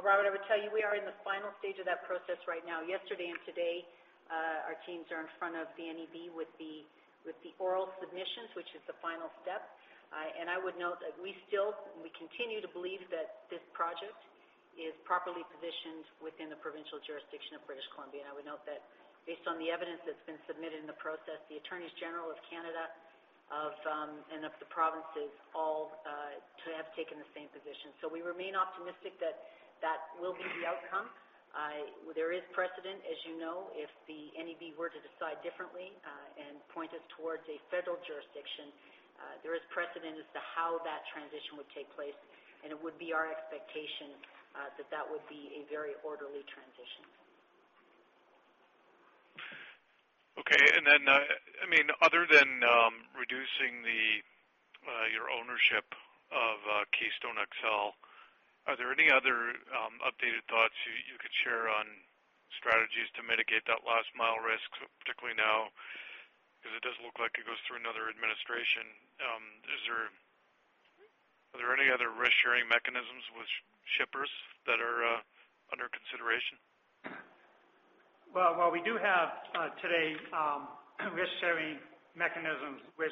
Robert, I would tell you we are in the final stage of that process right now. Yesterday and today, our teams are in front of the NEB with the oral submissions, which is the final step. I would note that we continue to believe that this project is properly positioned within the provincial jurisdiction of British Columbia, and I would note that based on the evidence that's been submitted in the process, the attorneys general of Canada and of the provinces all have taken the same position. We remain optimistic that that will be the outcome. There is precedent, as you know, if the NEB were to decide differently, and point us towards a federal jurisdiction, there is precedent as to how that transition would take place, and it would be our expectation that that would be a very orderly transition. Okay. Then, other than reducing your ownership of Keystone XL, are there any other updated thoughts you could share on strategies to mitigate that last-mile risk, particularly now, because it does look like it goes through another administration. Are there any other risk-sharing mechanisms with shippers that are under consideration? Well, we do have today risk-sharing mechanisms with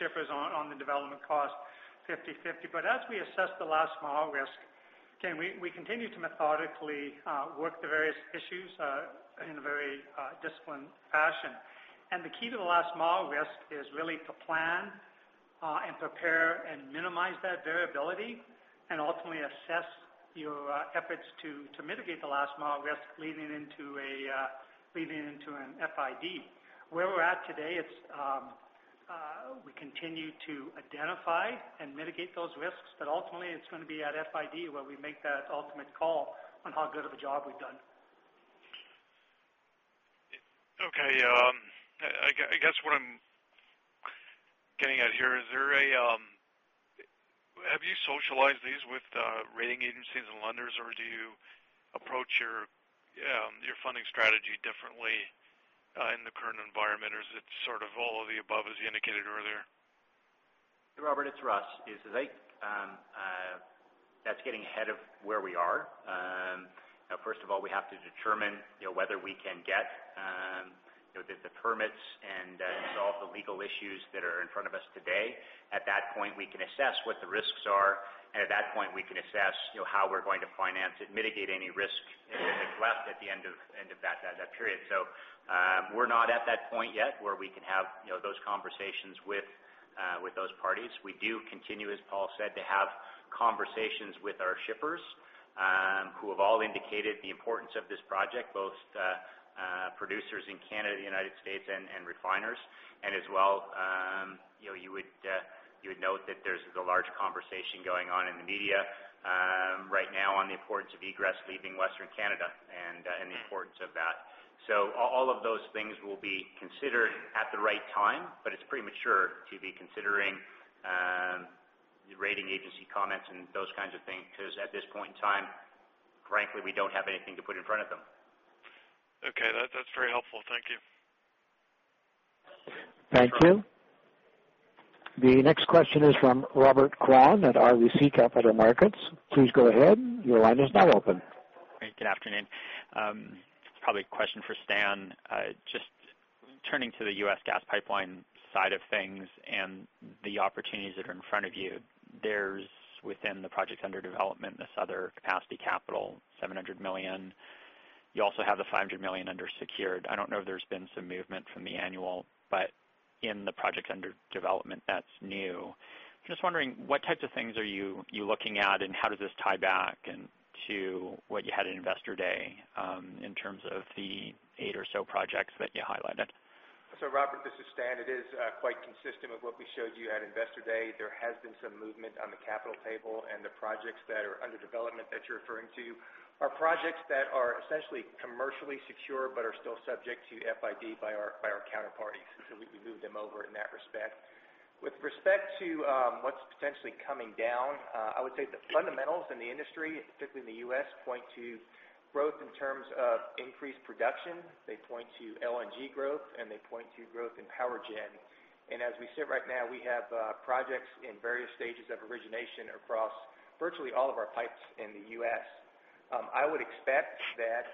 shippers on the development cost 50/50, but as we assess the last-mile risk, we continue to methodically work the various issues, in a very disciplined fashion. The key to the last-mile risk is really to plan and prepare and minimize that variability, and ultimately assess your efforts to mitigate the last-mile risk leading into an FID. Where we're at today, we continue to identify and mitigate those risks, but ultimately it's going to be at FID where we make that ultimate call on how good of a job we've done. Okay. I guess what I'm getting at here, have you socialized these with rating agencies and lenders, or do you approach your funding strategy differently in the current environment, or is it sort of all of the above, as you indicated earlier? Robert, it's Russ. I think that's getting ahead of where we are. First of all, we have to determine whether we can get the permits and resolve the legal issues that are in front of us today. At that point, we can assess what the risks are, and at that point, we can assess how we're going to finance it, mitigate any risk that's left at the end of that period. We're not at that point yet where we can have those conversations with those parties. We do continue, as Paul said, to have conversations with our shippers, who have all indicated the importance of this project, both producers in Canada, the U.S., and refiners. As well, you would note that there's the large conversation going on in the media right now on the importance of egress leaving Western Canada and the importance of that. All of those things will be considered at the right time, but it's premature to be considering rating agency comments and those kinds of things, because at this point in time, frankly, we don't have anything to put in front of them. Okay. That's very helpful. Thank you. Thank you. The next question is from Robert Kwan at RBC Capital Markets. Please go ahead. Your line is now open. Great. Good afternoon. Probably a question for Stan. Just turning to the U.S. gas pipeline side of things and the opportunities that are in front of you. There's, within the projects under development, this other capacity capital, $700 million. You also have the $500 million under secured. I don't know if there's been some movement from the annual, but in the project under development that's new. Just wondering what types of things are you looking at, and how does this tie back to what you had at Investor Day, in terms of the 8 or so projects that you highlighted? Robert, this is Stan. It is quite consistent with what we showed you at Investor Day. There has been some movement on the capital table, and the projects that are under development that you're referring to are projects that are essentially commercially secure but are still subject to FID by our counterparties. We moved them over in that respect. With respect to what's potentially coming down, I would say the fundamentals in the industry, particularly in the U.S., point to growth in terms of increased production. They point to LNG growth, and they point to growth in power gen. As we sit right now, we have projects in various stages of origination across virtually all of our pipes in the U.S. I would expect that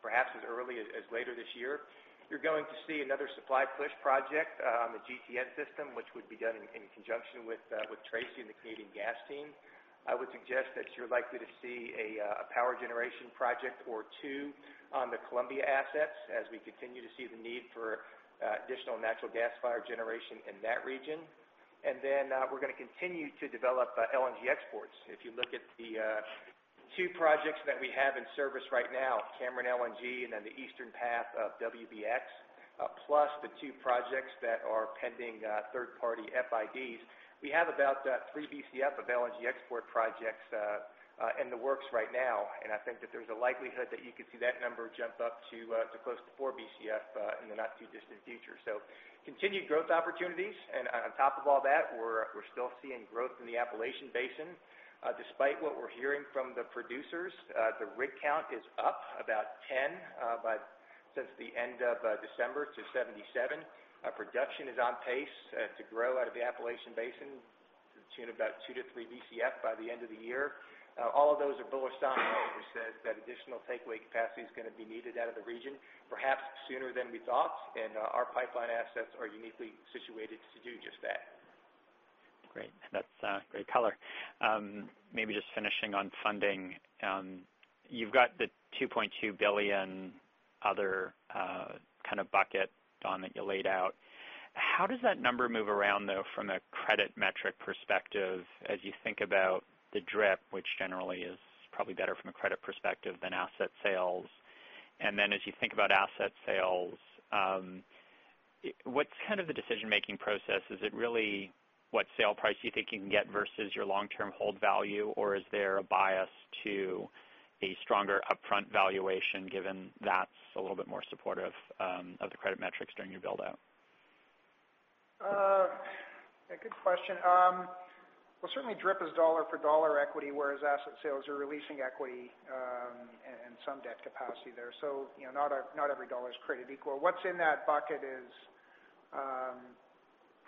perhaps as early as later this year, you're going to see another supply push project on the Gas Transmission Northwest system, which would be done in conjunction with Tracy and the Canadian gas team. I would suggest that you're likely to see a power generation project or two on the Columbia assets as we continue to see the need for additional natural gas fire generation in that region. We're going to continue to develop LNG exports. If you look at the two projects that we have in service right now, Cameron LNG and then the Eastern path of WBX, plus the two projects that are pending third-party FIDs. We have about 3 BCF of LNG export projects in the works right now, I think that there's a likelihood that you could see that number jump up to close to 4 BCF in the not-too-distant future. Continued growth opportunities. On top of all that, we're still seeing growth in the Appalachian Basin. Despite what we're hearing from the producers, the rig count is up about 10 since the end of December to 77. Production is on pace to grow out of the Appalachian Basin to about 2 to 3 BCF by the end of the year. All of those are bullish signs, which says that additional takeaway capacity is going to be needed out of the region, perhaps sooner than we thought, and our pipeline assets are uniquely situated to do just that. Great. That's great color. Maybe just finishing on funding. You've got the 2.2 billion other kind of bucket, Don, that you laid out. How does that number move around, though, from a credit metric perspective as you think about the DRIP, which generally is probably better from a credit perspective than asset sales? As you think about asset sales, what's kind of the decision-making process? Is it really what sale price you think you can get versus your long-term hold value, or is there a bias to a stronger upfront valuation given that's a little bit more supportive of the credit metrics during your build-out? A good question. Certainly DRIP is CAD for CAD equity, whereas asset sales are releasing equity and some debt capacity there. Not every CAD is created equal. What's in that bucket is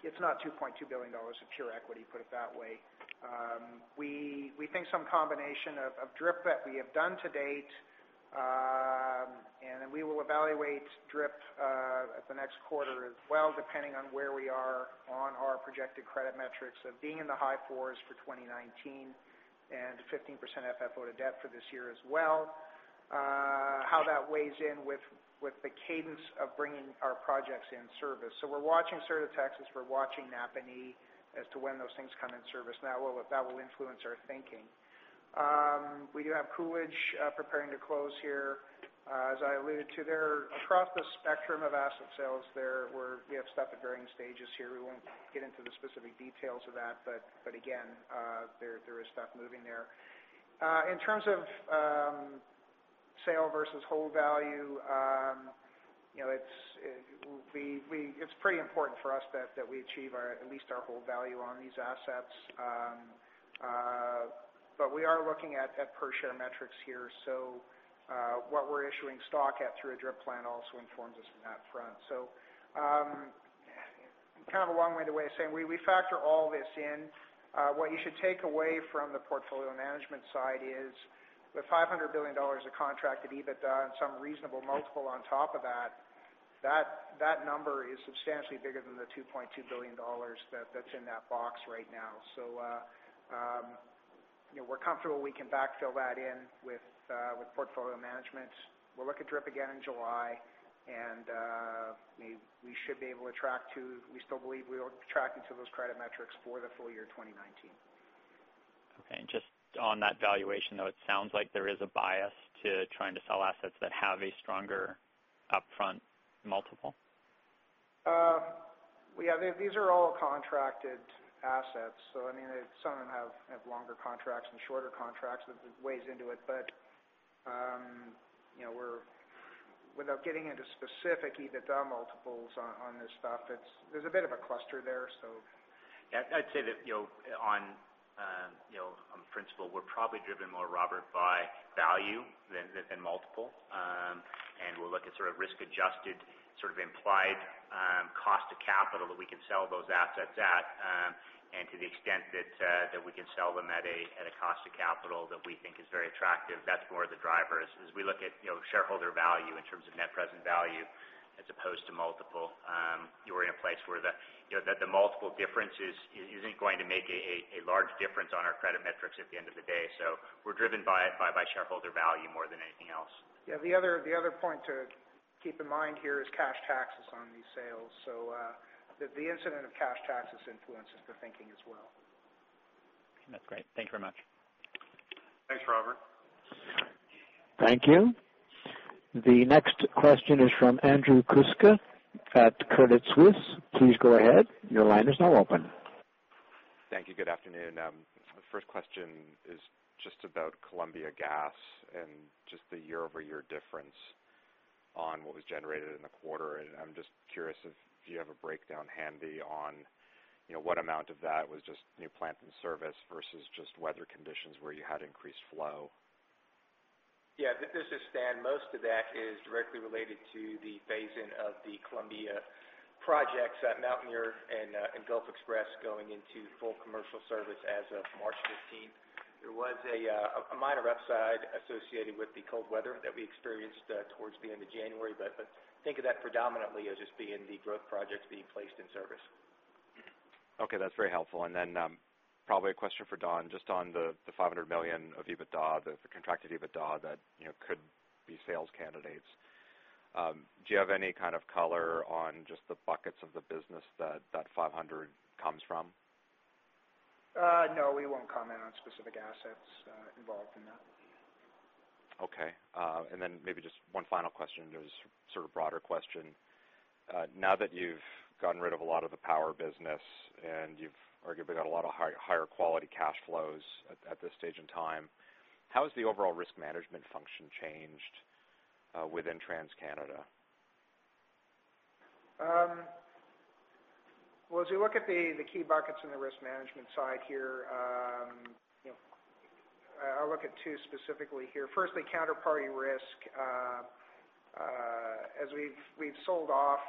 It's not 2.2 billion dollars of pure equity, put it that way. We think some combination of DRIP that we have done to date, and then we will evaluate DRIP at the next quarter as well, depending on where we are on our projected credit metrics of being in the high fours for 2019 and 15% FFO to debt for this year as well. How that weighs in with the cadence of bringing our projects in service. We're watching Sur de Texas, we're watching Napanee as to when those things come in service. That will influence our thinking. We do have Coolidge preparing to close here. As I alluded to there, across the spectrum of asset sales there, we have stuff at varying stages here. We won't get into the specific details of that, but again, there is stuff moving there. In terms of sale versus hold value, it's pretty important for us that we achieve at least our hold value on these assets. We are looking at per share metrics here. What we're issuing stock at through a DRIP plan also informs us on that front. Kind of a long-winded way of saying we factor all this in. What you should take away from the portfolio management side is with 500 million dollars of contracted EBITDA and some reasonable multiple on top of that number is substantially bigger than the 2.2 billion dollars that's in that box right now. We're comfortable we can backfill that in with portfolio management. We'll look at DRIP again in July, We still believe we will track into those credit metrics for the full year 2019. Okay. Just on that valuation, though, it sounds like there is a bias to trying to sell assets that have a stronger upfront multiple. Yeah, these are all contracted assets, some of them have longer contracts and shorter contracts that weighs into it. Without getting into specific EBITDA multiples on this stuff, there's a bit of a cluster there. Yeah, I'd say that on principle, we're probably driven more, Robert, by value than multiple. We'll look at sort of risk-adjusted implied cost of capital that we can sell those assets at. To the extent that we can sell them at a cost of capital that we think is very attractive, that's more the driver, is we look at shareholder value in terms of net present value as opposed to multiple. We're in a place where the multiple difference isn't going to make a large difference on our credit metrics at the end of the day. We're driven by shareholder value more than anything else. Yeah, the other point to keep in mind here is cash taxes on these sales. The incidence of cash taxes influences the thinking as well. That's great. Thank you very much. Thanks, Robert. Thank you. The next question is from Andrew Kuske at Credit Suisse. Please go ahead. Your line is now open. Thank you. Good afternoon. The first question is just about Columbia Gas and just the year-over-year difference on what was generated in the quarter. I'm just curious if you have a breakdown handy on what amount of that was just new plant and service versus just weather conditions where you had increased flow. Yeah. This is Stan. Most of that is directly related to the phase-in of the Columbia projects at Mountaineer XPress and Gulf XPress going into full commercial service as of March 15th. There was a minor upside associated with the cold weather that we experienced towards the end of January. Think of that predominantly as just being the growth projects being placed in service. Okay. That's very helpful. Then probably a question for Don, just on the 500 million of EBITDA, the contracted EBITDA that could be sales candidates. Do you have any kind of color on just the buckets of the business that 500 comes from? No, we won't comment on specific assets involved in that. Okay. Maybe just one final question. It was a sort of broader question. Now that you've gotten rid of a lot of the power business and you've arguably got a lot of higher-quality cash flows at this stage in time, how has the overall risk management function changed within TransCanada? Well, as you look at the key buckets in the risk management side here, I'll look at two specifically here. Firstly, counterparty risk. As we've sold off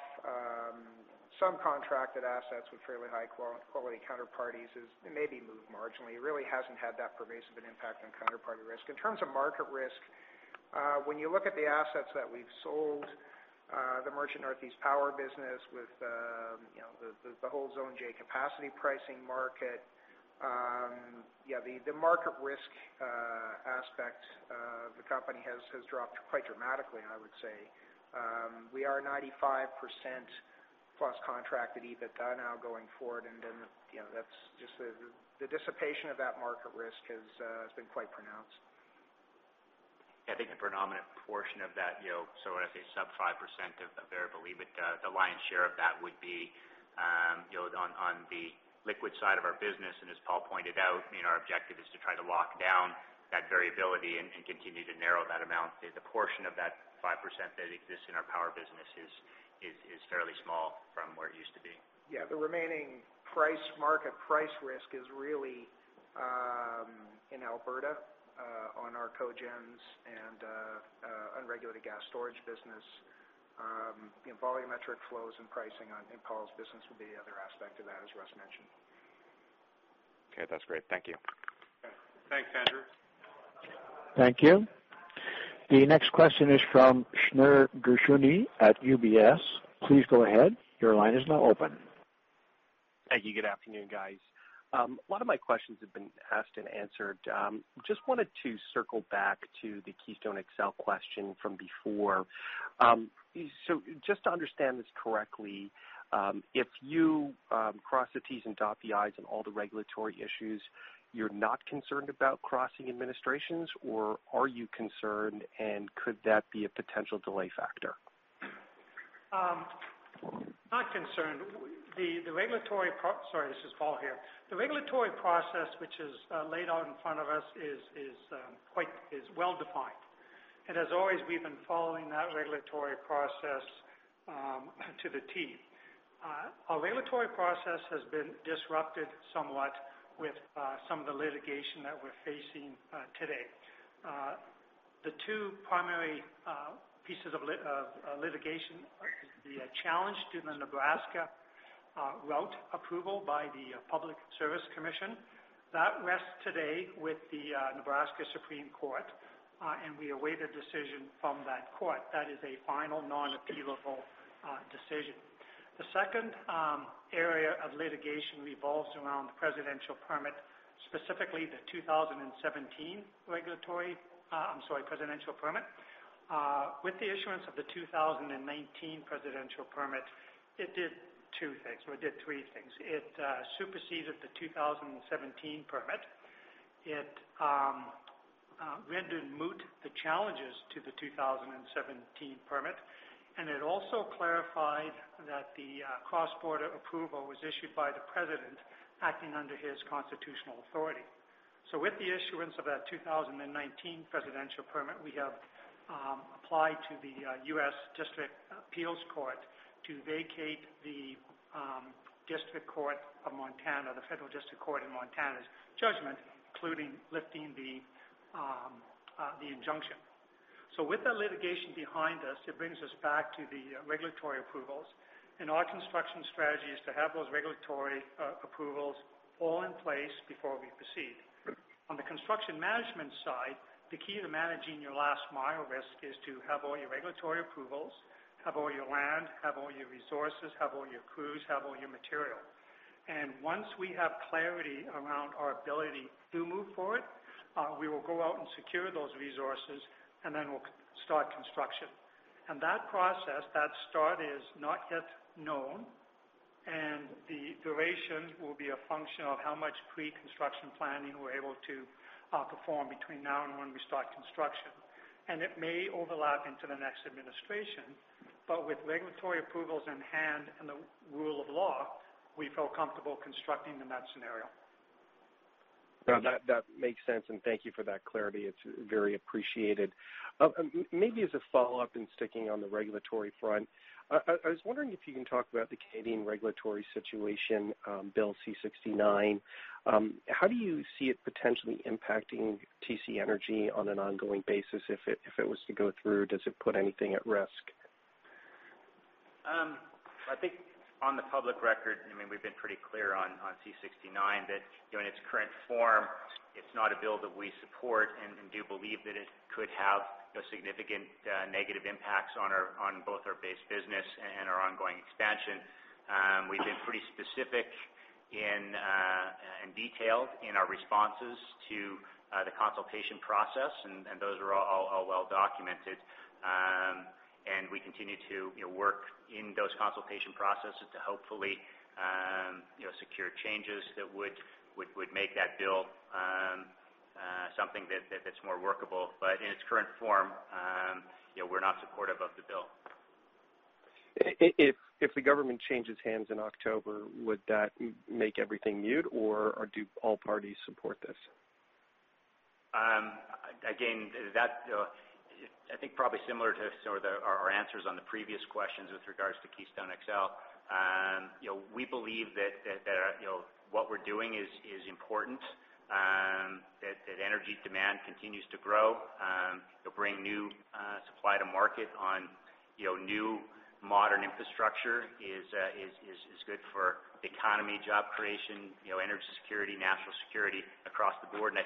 some contracted assets with fairly high-quality counterparties, it maybe moved marginally. It really hasn't had that pervasive an impact on counterparty risk. In terms of market risk, when you look at the assets that we've sold, the Merchant Northeast Power business with the whole Zone J capacity pricing market, the market risk aspect of the company has dropped quite dramatically, I would say. We are 95%-plus contracted EBITDA now going forward, and then the dissipation of that market risk has been quite pronounced. I think the predominant portion of that, so when I say sub 5% of our belief, the lion's share of that would be on the liquid side of our business. As Paul pointed out, our objective is to try to lock down that variability and continue to narrow that amount. The portion of that 5% that exists in our power business is fairly small from where it used to be. Yeah, the remaining market price risk is really in Alberta on our cogens and unregulated gas storage business. Volumetric flows and pricing in Paul's business would be the other aspect of that, as Russ mentioned. Okay, that's great. Thank you. Okay. Thanks, Andrew. Thank you. The next question is from Schneur Gershuni at UBS. Please go ahead. Your line is now open. Thank you. Good afternoon, guys. A lot of my questions have been asked and answered. Just wanted to circle back to the Keystone XL question from before. Just to understand this correctly, if you cross the T's and dot the I's on all the regulatory issues, you're not concerned about crossing administrations or are you concerned, and could that be a potential delay factor? Not concerned. Sorry, this is Paul here. The regulatory process, which is laid out in front of us, is well-defined. As always, we've been following that regulatory process to the T. Our regulatory process has been disrupted somewhat with some of the litigation that we're facing today. The two primary pieces of litigation are the challenge to the Nebraska route approval by the Nebraska Public Service Commission. That rests today with the Nebraska Supreme Court, and we await a decision from that court. That is a final, non-appealable decision. The second area of litigation revolves around the presidential permit, specifically the 2017 presidential permit. With the issuance of the 2019 presidential permit, it did two things, or it did three things. It superseded the 2017 permit. It rendered moot the challenges to the 2017 permit, it also clarified that the cross-border approval was issued by the president acting under his constitutional authority. With the issuance of that 2019 presidential permit, we have applied to the U.S. District Appeals Court to vacate the District Court of Montana, the Federal District Court in Montana's judgment, including lifting the injunction. With that litigation behind us, it brings us back to the regulatory approvals, our construction strategy is to have those regulatory approvals all in place before we proceed. On the construction management side, the key to managing your last mile risk is to have all your regulatory approvals, have all your land, have all your resources, have all your crews, have all your material. Once we have clarity around our ability to move forward, we will go out and secure those resources, we'll start construction. That process, that start, is not yet known, the duration will be a function of how much pre-construction planning we're able to perform between now and when we start construction. It may overlap into the next administration, with regulatory approvals in hand and the rule of law, we feel comfortable constructing in that scenario. That makes sense. Thank you for that clarity. It is very appreciated. Maybe as a follow-up, sticking on the regulatory front, I was wondering if you can talk about the Canadian regulatory situation, Bill C-69. How do you see it potentially impacting TC Energy on an ongoing basis? If it was to go through, does it put anything at risk? I think on the public record, we have been pretty clear on C-69 that in its current form, it is not a bill that we support and do believe that it could have significant negative impacts on both our base business and our ongoing expansion. We have been pretty specific in detail in our responses to the consultation process, and those are all well-documented. We continue to work in those consultation processes to hopefully secure changes that would make that bill something that is more workable. In its current form, we are not supportive of the bill. If the government changes hands in October, would that make everything moot, or do all parties support this? Again, I think probably similar to some of our answers on the previous questions with regards to Keystone XL, we believe that what we are doing is important, that energy demand continues to grow. To bring new supply to market on new modern infrastructure is good for the economy, job creation, energy security, national security across the board.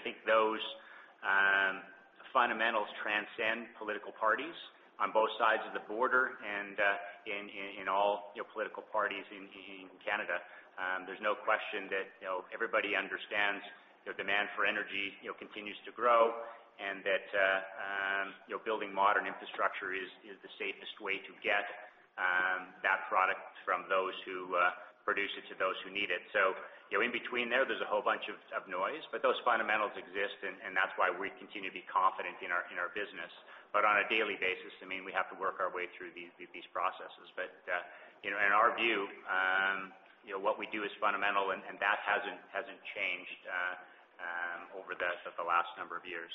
I think those fundamentals transcend political parties on both sides of the border and in all political parties in Canada. There is no question that everybody understands demand for energy continues to grow, that building modern infrastructure is the safest way to get that product from those who produce it to those who need it. In between there is a whole bunch of noise, but those fundamentals exist, and that is why we continue to be confident in our business. On a daily basis, we have to work our way through these processes. In our view, what we do is fundamental, and that hasn't changed over the last number of years.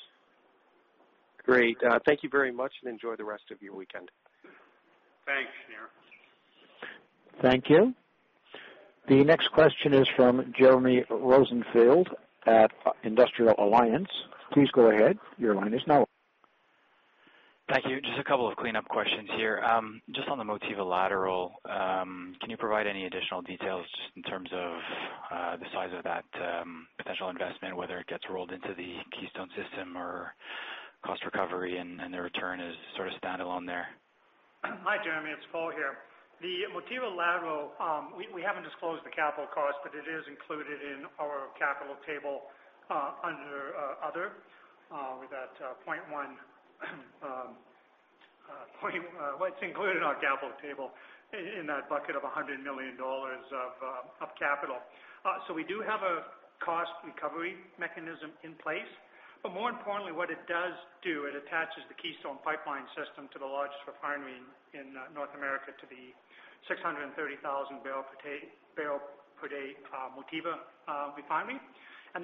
Great. Thank you very much, and enjoy the rest of your weekend. Thanks, Schneur. Thank you. The next question is from Jeremy Rosenfield at Industrial Alliance. Please go ahead. Your line is now open. Thank you. Just a couple of cleanup questions here. Just on the Motiva Lateral, can you provide any additional details, just in terms of the size of that potential investment, whether it gets rolled into the Keystone system or cost recovery and the return is sort of standalone there? Hi, Jeremy. It's Paul here. The Motiva Lateral, we haven't disclosed the capital cost, but it is included in our capital table under other. It's included in our capital table in that bucket of 100 million dollars of capital. We do have a cost recovery mechanism in place. More importantly, what it does do, it attaches the Keystone Pipeline system to the largest refinery in North America, to the 630,000-barrel-per-day Motiva refinery.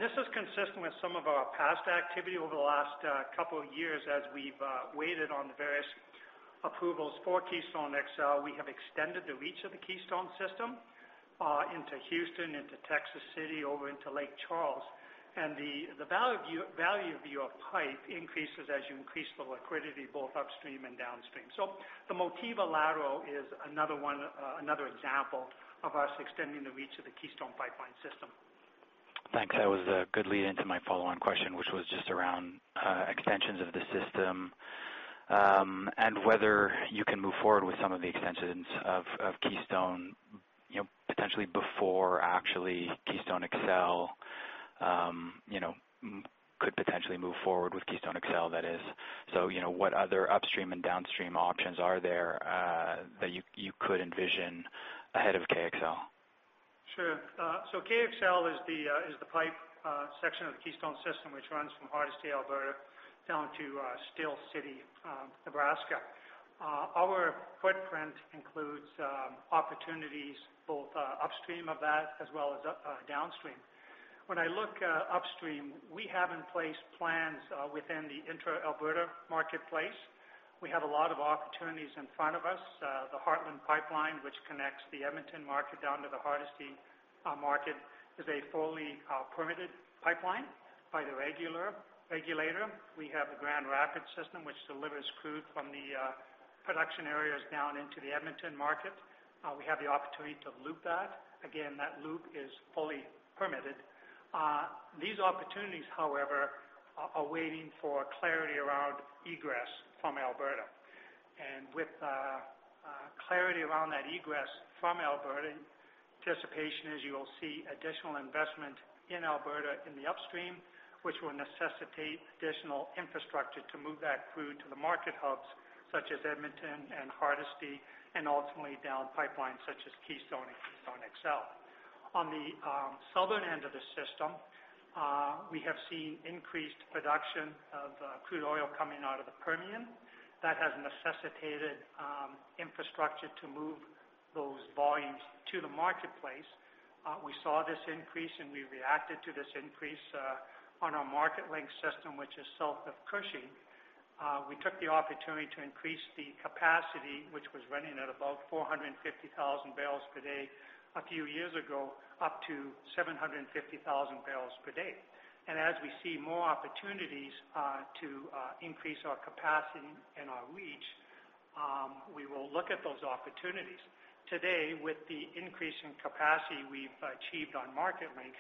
This is consistent with some of our past activity over the last couple of years as we've waited on the various approvals for Keystone XL. We have extended the reach of the Keystone system into Houston, into Texas City, over into Lake Charles. The value of your pipe increases as you increase the liquidity, both upstream and downstream. The Motiva Lateral is another example of us extending the reach of the Keystone Pipeline system. Thanks. That was a good lead-in to my follow-on question, which was just around extensions of the system. Whether you can move forward with some of the extensions of Keystone, potentially before actually Keystone XL could potentially move forward with Keystone XL, that is. What other upstream and downstream options are there that you could envision ahead of KXL? Sure. KXL is the pipe section of the Keystone system, which runs from Hardisty, Alberta, down to Steele City, Nebraska. Our footprint includes opportunities both upstream of that as well as downstream. When I look upstream, we have in place plans within the intra-Alberta marketplace. We have a lot of opportunities in front of us. The Heartland Pipeline, which connects the Edmonton market down to the Hardisty market, is a fully permitted pipeline by the regulator. We have the Grand Rapids system, which delivers crude from the production areas down into the Edmonton market. We have the opportunity to loop that. Again, that loop is fully permitted. These opportunities, however, are waiting for clarity around egress from Alberta. With clarity around that egress from Alberta, anticipation is you will see additional investment in Alberta in the upstream, which will necessitate additional infrastructure to move that crude to the market hubs, such as Edmonton and Hardisty and ultimately down pipelines such as Keystone and Keystone XL. On the southern end of the system, we have seen increased production of crude oil coming out of the Permian. That has necessitated infrastructure to move those volumes to the marketplace. We saw this increase, and we reacted to this increase on our MarketLink system, which is south of Cushing. We took the opportunity to increase the capacity, which was running at about 450,000 barrels per day a few years ago, up to 750,000 barrels per day. As we see more opportunities to increase our capacity and our reach, we will look at those opportunities. Today, with the increase in capacity we've achieved on MarketLink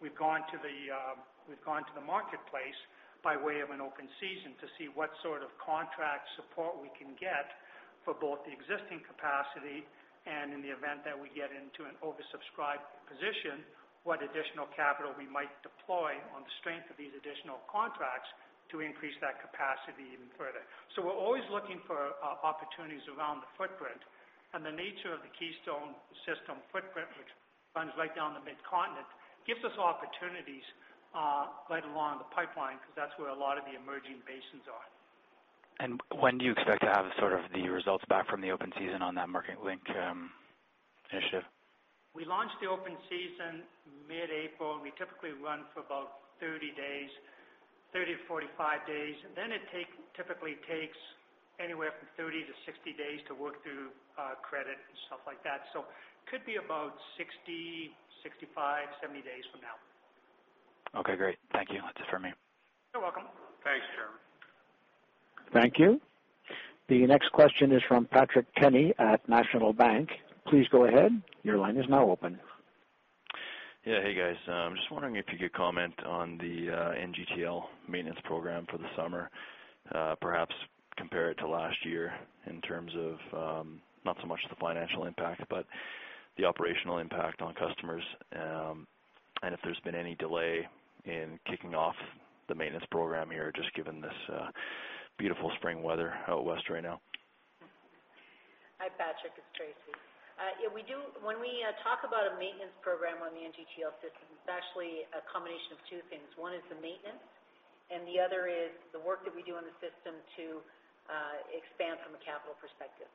We've gone to the marketplace by way of an open season to see what sort of contract support we can get for both the existing capacity, and in the event that we get into an oversubscribed position, what additional capital we might deploy on the strength of these additional contracts to increase that capacity even further. We're always looking for opportunities around the footprint. The nature of the Keystone system footprint, which runs right down the mid-continent, gives us opportunities right along the pipeline, because that's where a lot of the emerging basins are. When do you expect to have the results back from the open season on that MarketLink initiative? We launched the open season mid-April. We typically run for about 30 to 45 days. Then it typically takes anywhere from 30 to 60 days to work through credit and stuff like that. Could be about 60, 65, 70 days from now. Okay, great. Thank you. That's just for me. You're welcome. Thanks, Jeremy. Thank you. The next question is from Patrick Kenny at National Bank. Please go ahead. Your line is now open. Yeah. Hey, guys. Just wondering if you could comment on the NGTL maintenance program for the summer, perhaps compare it to last year in terms of, not so much the financial impact, but the operational impact on customers, and if there's been any delay in kicking off the maintenance program here, just given this beautiful spring weather out west right now. Hi, Patrick, it's Tracy. When we talk about a maintenance program on the NGTL system, it's actually a combination of two things. One is the maintenance, and the other is the work that we do on the system to expand from a capital perspective.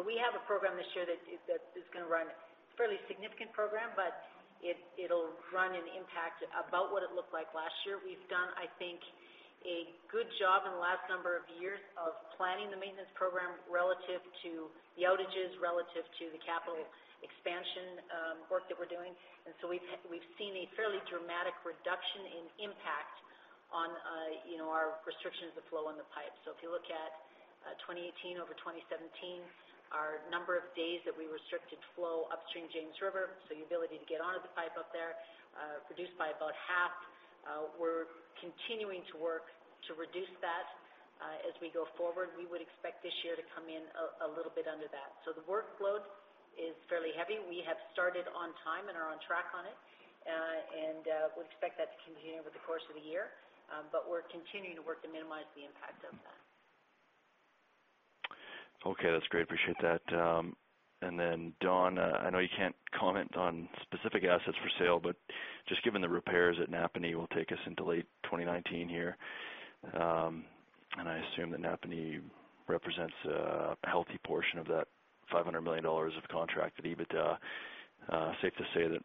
We have a program this year that's going to run. It's a fairly significant program, but it'll run and impact about what it looked like last year. We've done, I think, a good job in the last number of years of planning the maintenance program relative to the outages, relative to the capital expansion work that we're doing. We've seen a fairly dramatic reduction in impact on our restrictions of flow in the pipe. If you look at 2018 over 2017, our number of days that we restricted flow upstream James River, so the ability to get onto the pipe up there, reduced by about half. We're continuing to work to reduce that as we go forward. We would expect this year to come in a little bit under that. The workload is fairly heavy. We have started on time and are on track on it. Would expect that to continue over the course of the year. We're continuing to work to minimize the impact of that. Okay. That's great. Appreciate that. Then Don, I know you can't comment on specific assets for sale, but just given the repairs at Napanee will take us into late 2019 here, and I assume that Napanee represents a healthy portion of that 500 million dollars of contracted EBITDA, safe to say that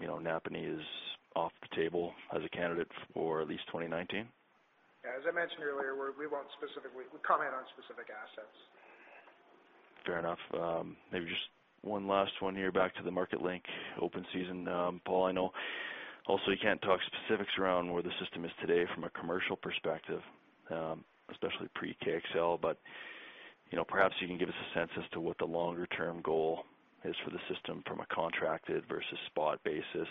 Napanee is off the table as a candidate for at least 2019? Yeah, as I mentioned earlier, we won't comment on specific assets. Fair enough. Maybe just one last one here back to the MarketLink open season. Paul, I know also you can't talk specifics around where the system is today from a commercial perspective, especially pre-KXL, but perhaps you can give us a sense as to what the longer-term goal is for the system from a contracted versus spot basis,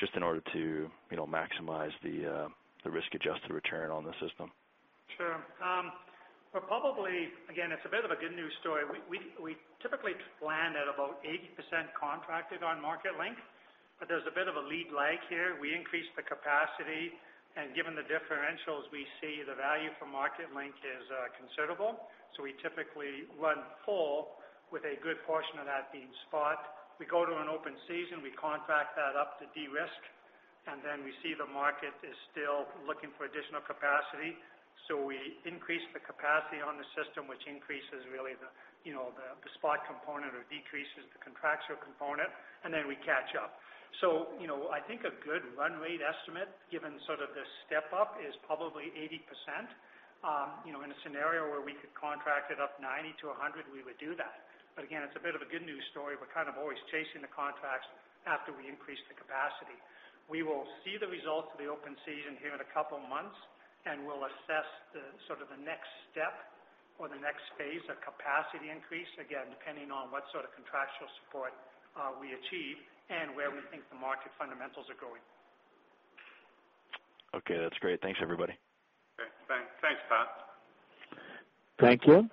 just in order to maximize the risk-adjusted return on the system. Sure. Probably, again, it's a bit of a good news story. We typically plan at about 80% contracted on MarketLink, there's a bit of a lead lag here. We increased the capacity. Given the differentials, we see the value for MarketLink is considerable. We typically run full with a good portion of that being spot. We go to an open season, we contract that up to de-risk. We see the market is still looking for additional capacity, we increase the capacity on the system, which increases really the spot component or decreases the contractual component, we catch up. I think a good run rate estimate, given sort of the step up, is probably 80%. In a scenario where we could contract it up 90-100, we would do that. Again, it's a bit of a good news story. We're kind of always chasing the contracts after we increase the capacity. We will see the results of the open season here in a couple of months, and we'll assess the next step or the next phase of capacity increase, again, depending on what sort of contractual support we achieve and where we think the market fundamentals are going. Okay. That's great. Thanks, everybody. Okay. Thanks, Pat. Thank you.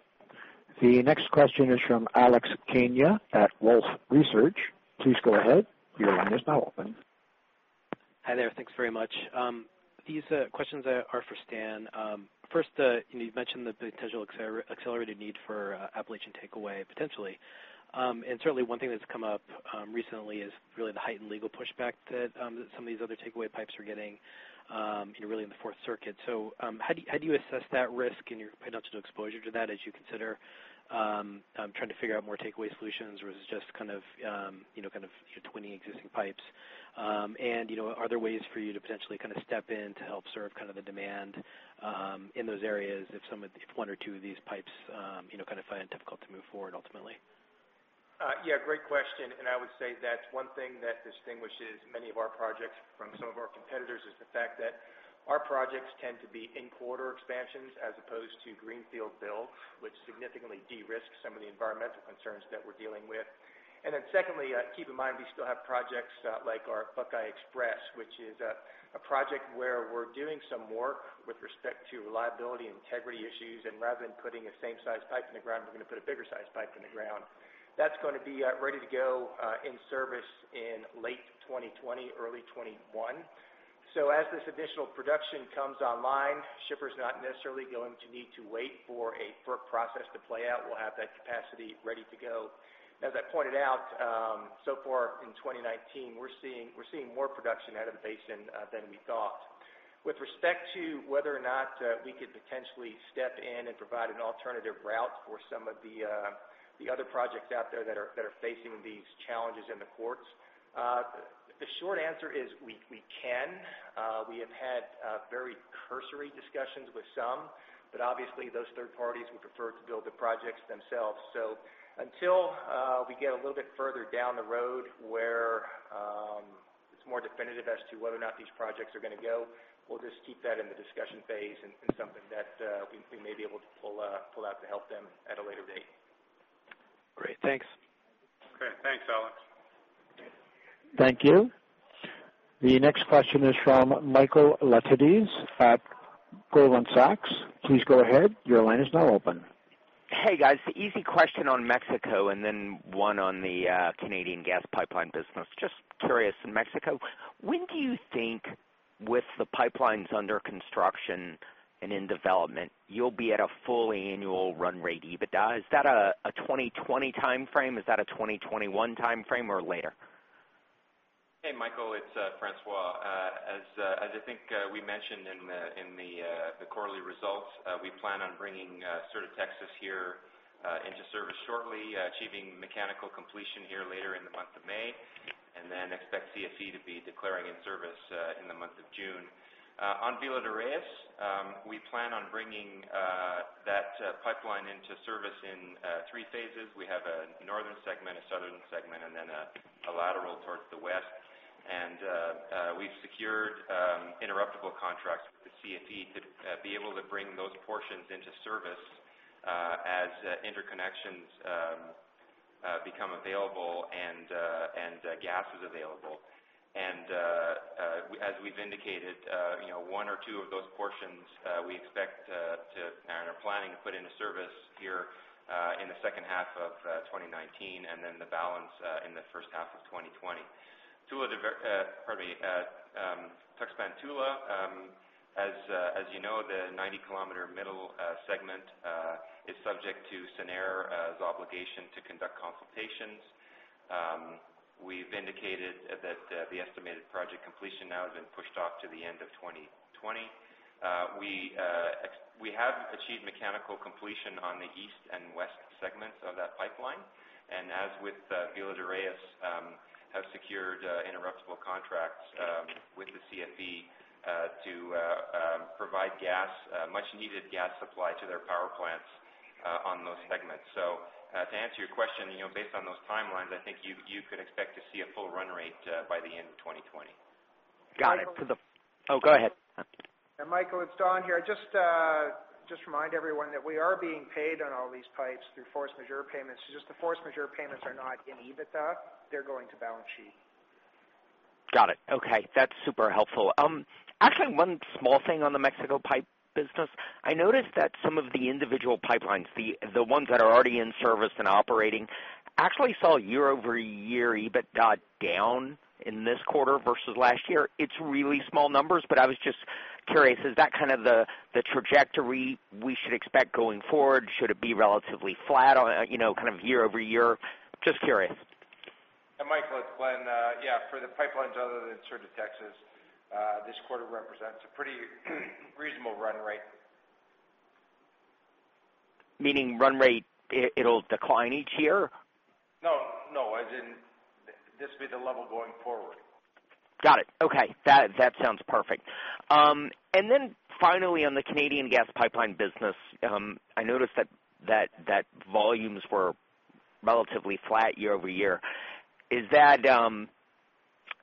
The next question is from Alex Kania at Wolfe Research. Please go ahead. Your line is now open. Hi there. Thanks very much. These questions are for Stan. First, you mentioned the potential accelerated need for Appalachian Takeaway, potentially. Certainly, one thing that's come up recently is really the heightened legal pushback that some of these other takeaway pipes are getting really in the Fourth Circuit. How do you assess that risk and your potential exposure to that as you consider trying to figure out more takeaway solutions, or is it just kind of your 20 existing pipes? Are there ways for you to potentially step in to help serve the demand in those areas if one or two of these pipes find it difficult to move forward ultimately? Yeah. Great question. I would say that's one thing that distinguishes many of our projects from- competitors is the fact that our projects tend to be in-quarter expansions as opposed to greenfield builds, which significantly de-risks some of the environmental concerns that we're dealing with. Secondly, keep in mind, we still have projects like our Buckeye XPress, which is a project where we're doing some work with respect to reliability and integrity issues, and rather than putting a same size pipe in the ground, we're going to put a bigger size pipe in the ground. That's going to be ready to go in service in late 2020, early 2021. As this additional production comes online, shippers not necessarily going to need to wait for a Federal Energy Regulatory Commission process to play out. We'll have that capacity ready to go. As I pointed out, so far in 2019, we're seeing more production out of the basin than we thought. With respect to whether or not we could potentially step in and provide an alternative route for some of the other projects out there that are facing these challenges in the courts, the short answer is we can. We have had very cursory discussions with some, but obviously those third parties would prefer to build the projects themselves. Until we get a little bit further down the road where it's more definitive as to whether or not these projects are going to go, we'll just keep that in the discussion phase and something that we may be able to pull out to help them at a later date. Great. Thanks. Okay. Thanks, Alex. Thank you. The next question is from Michael Lapides at Goldman Sachs. Please go ahead. Your line is now open. Hey, guys. Easy question on Mexico, then one on the Canadian gas pipeline business. Just curious, in Mexico, when do you think with the pipelines under construction and in development, you will be at a full annual run rate EBITDA? Is that a 2020 timeframe? Is that a 2021 timeframe or later? Hey, Michael, it's François. As I think we mentioned in the quarterly results, we plan on bringing Sur de Texas here into service shortly, achieving mechanical completion here later in the month of May, then expect CFE to be declaring in service in the month of June. On Villa de Reyes, we plan on bringing that pipeline into service in three phases. We have a northern segment, a southern segment, and then a lateral towards the west. We've secured interruptible contracts with the CFE to be able to bring those portions into service as interconnections become available and gas is available. As we've indicated, one or two of those portions we expect to, and are planning to put into service here in the second half of 2019, then the balance in the first half of 2020. Tuxpan-Tula, as you know, the 90-kilometer middle segment is subject to SENER's obligation to conduct consultations. We've indicated that the estimated project completion now has been pushed off to the end of 2020. We have achieved mechanical completion on the east and west segments of that pipeline, and as with Villa de Reyes, have secured interruptible contracts with the CFE to provide much needed gas supply to their power plants on those segments. To answer your question, based on those timelines, I think you could expect to see a full run rate by the end of 2020. Got it. Michael- Go ahead. Michael, it's Don here. Just remind everyone that we are being paid on all these pipes through force majeure payments. It's just the force majeure payments are not in EBITDA. They're going to balance sheet. Got it. Okay. That's super helpful. Actually, one small thing on the Mexico pipe business. I noticed that some of the individual pipelines, the ones that are already in service and operating, actually saw year-over-year EBITDA down in this quarter versus last year. It's really small numbers, but I was just curious, is that kind of the trajectory we should expect going forward? Should it be relatively flat on a year-over-year? Just curious. Michael, it's Glenn. Yeah, for the pipelines other than Sur de Texas, this quarter represents a pretty reasonable run rate. Meaning run rate, it'll decline each year? No, as in this will be the level going forward. Got it. Okay. That sounds perfect. Finally on the Canadian gas pipeline business, I noticed that volumes were relatively flat year-over-year.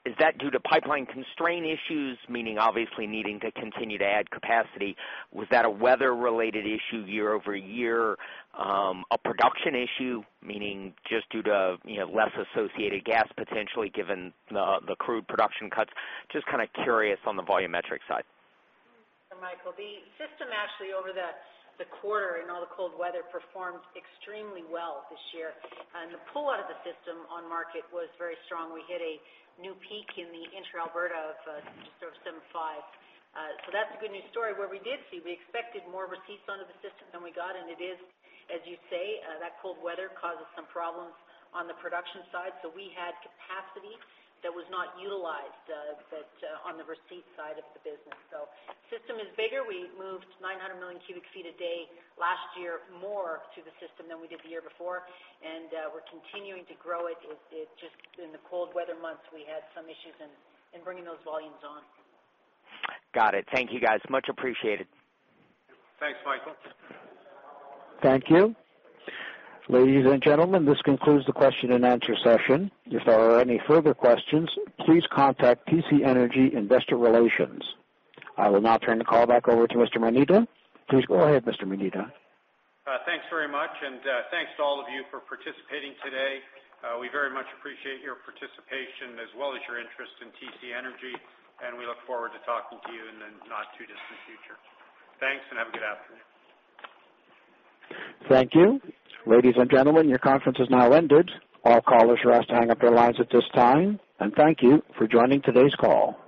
Is that due to pipeline constraint issues, meaning obviously needing to continue to add capacity? Was that a weather-related issue year-over-year? A production issue, meaning just due to less associated gas potentially given the crude production cuts? Just kind of curious on the volumetric side. Michael, the system actually over the quarter and all the cold weather performed extremely well this year. The pull out of the system on market was very strong. We hit a new peak in the inter Alberta of just over 7.5. That's a good news story. We expected more receipts out of the system than we got, and it is, as you say, that cold weather causes some problems on the production side. We had capacity that was not utilized on the receipt side of the business. System is bigger. We moved 900 million cubic feet a day last year, more to the system than we did the year before. We're continuing to grow it. Just in the cold weather months, we had some issues in bringing those volumes on. Got it. Thank you, guys. Much appreciated. Thanks, Michael. Thank you. Ladies and gentlemen, this concludes the question and answer session. If there are any further questions, please contact TC Energy Investor Relations. I will now turn the call back over to Mr. Moneta. Please go ahead, Mr. Moneta. Thanks very much. Thanks to all of you for participating today. We very much appreciate your participation as well as your interest in TC Energy. We look forward to talking to you in the not-too-distant future. Thanks, and have a good afternoon. Thank you. Ladies and gentlemen, your conference has now ended. All callers are asked to hang up their lines at this time. Thank you for joining today's call.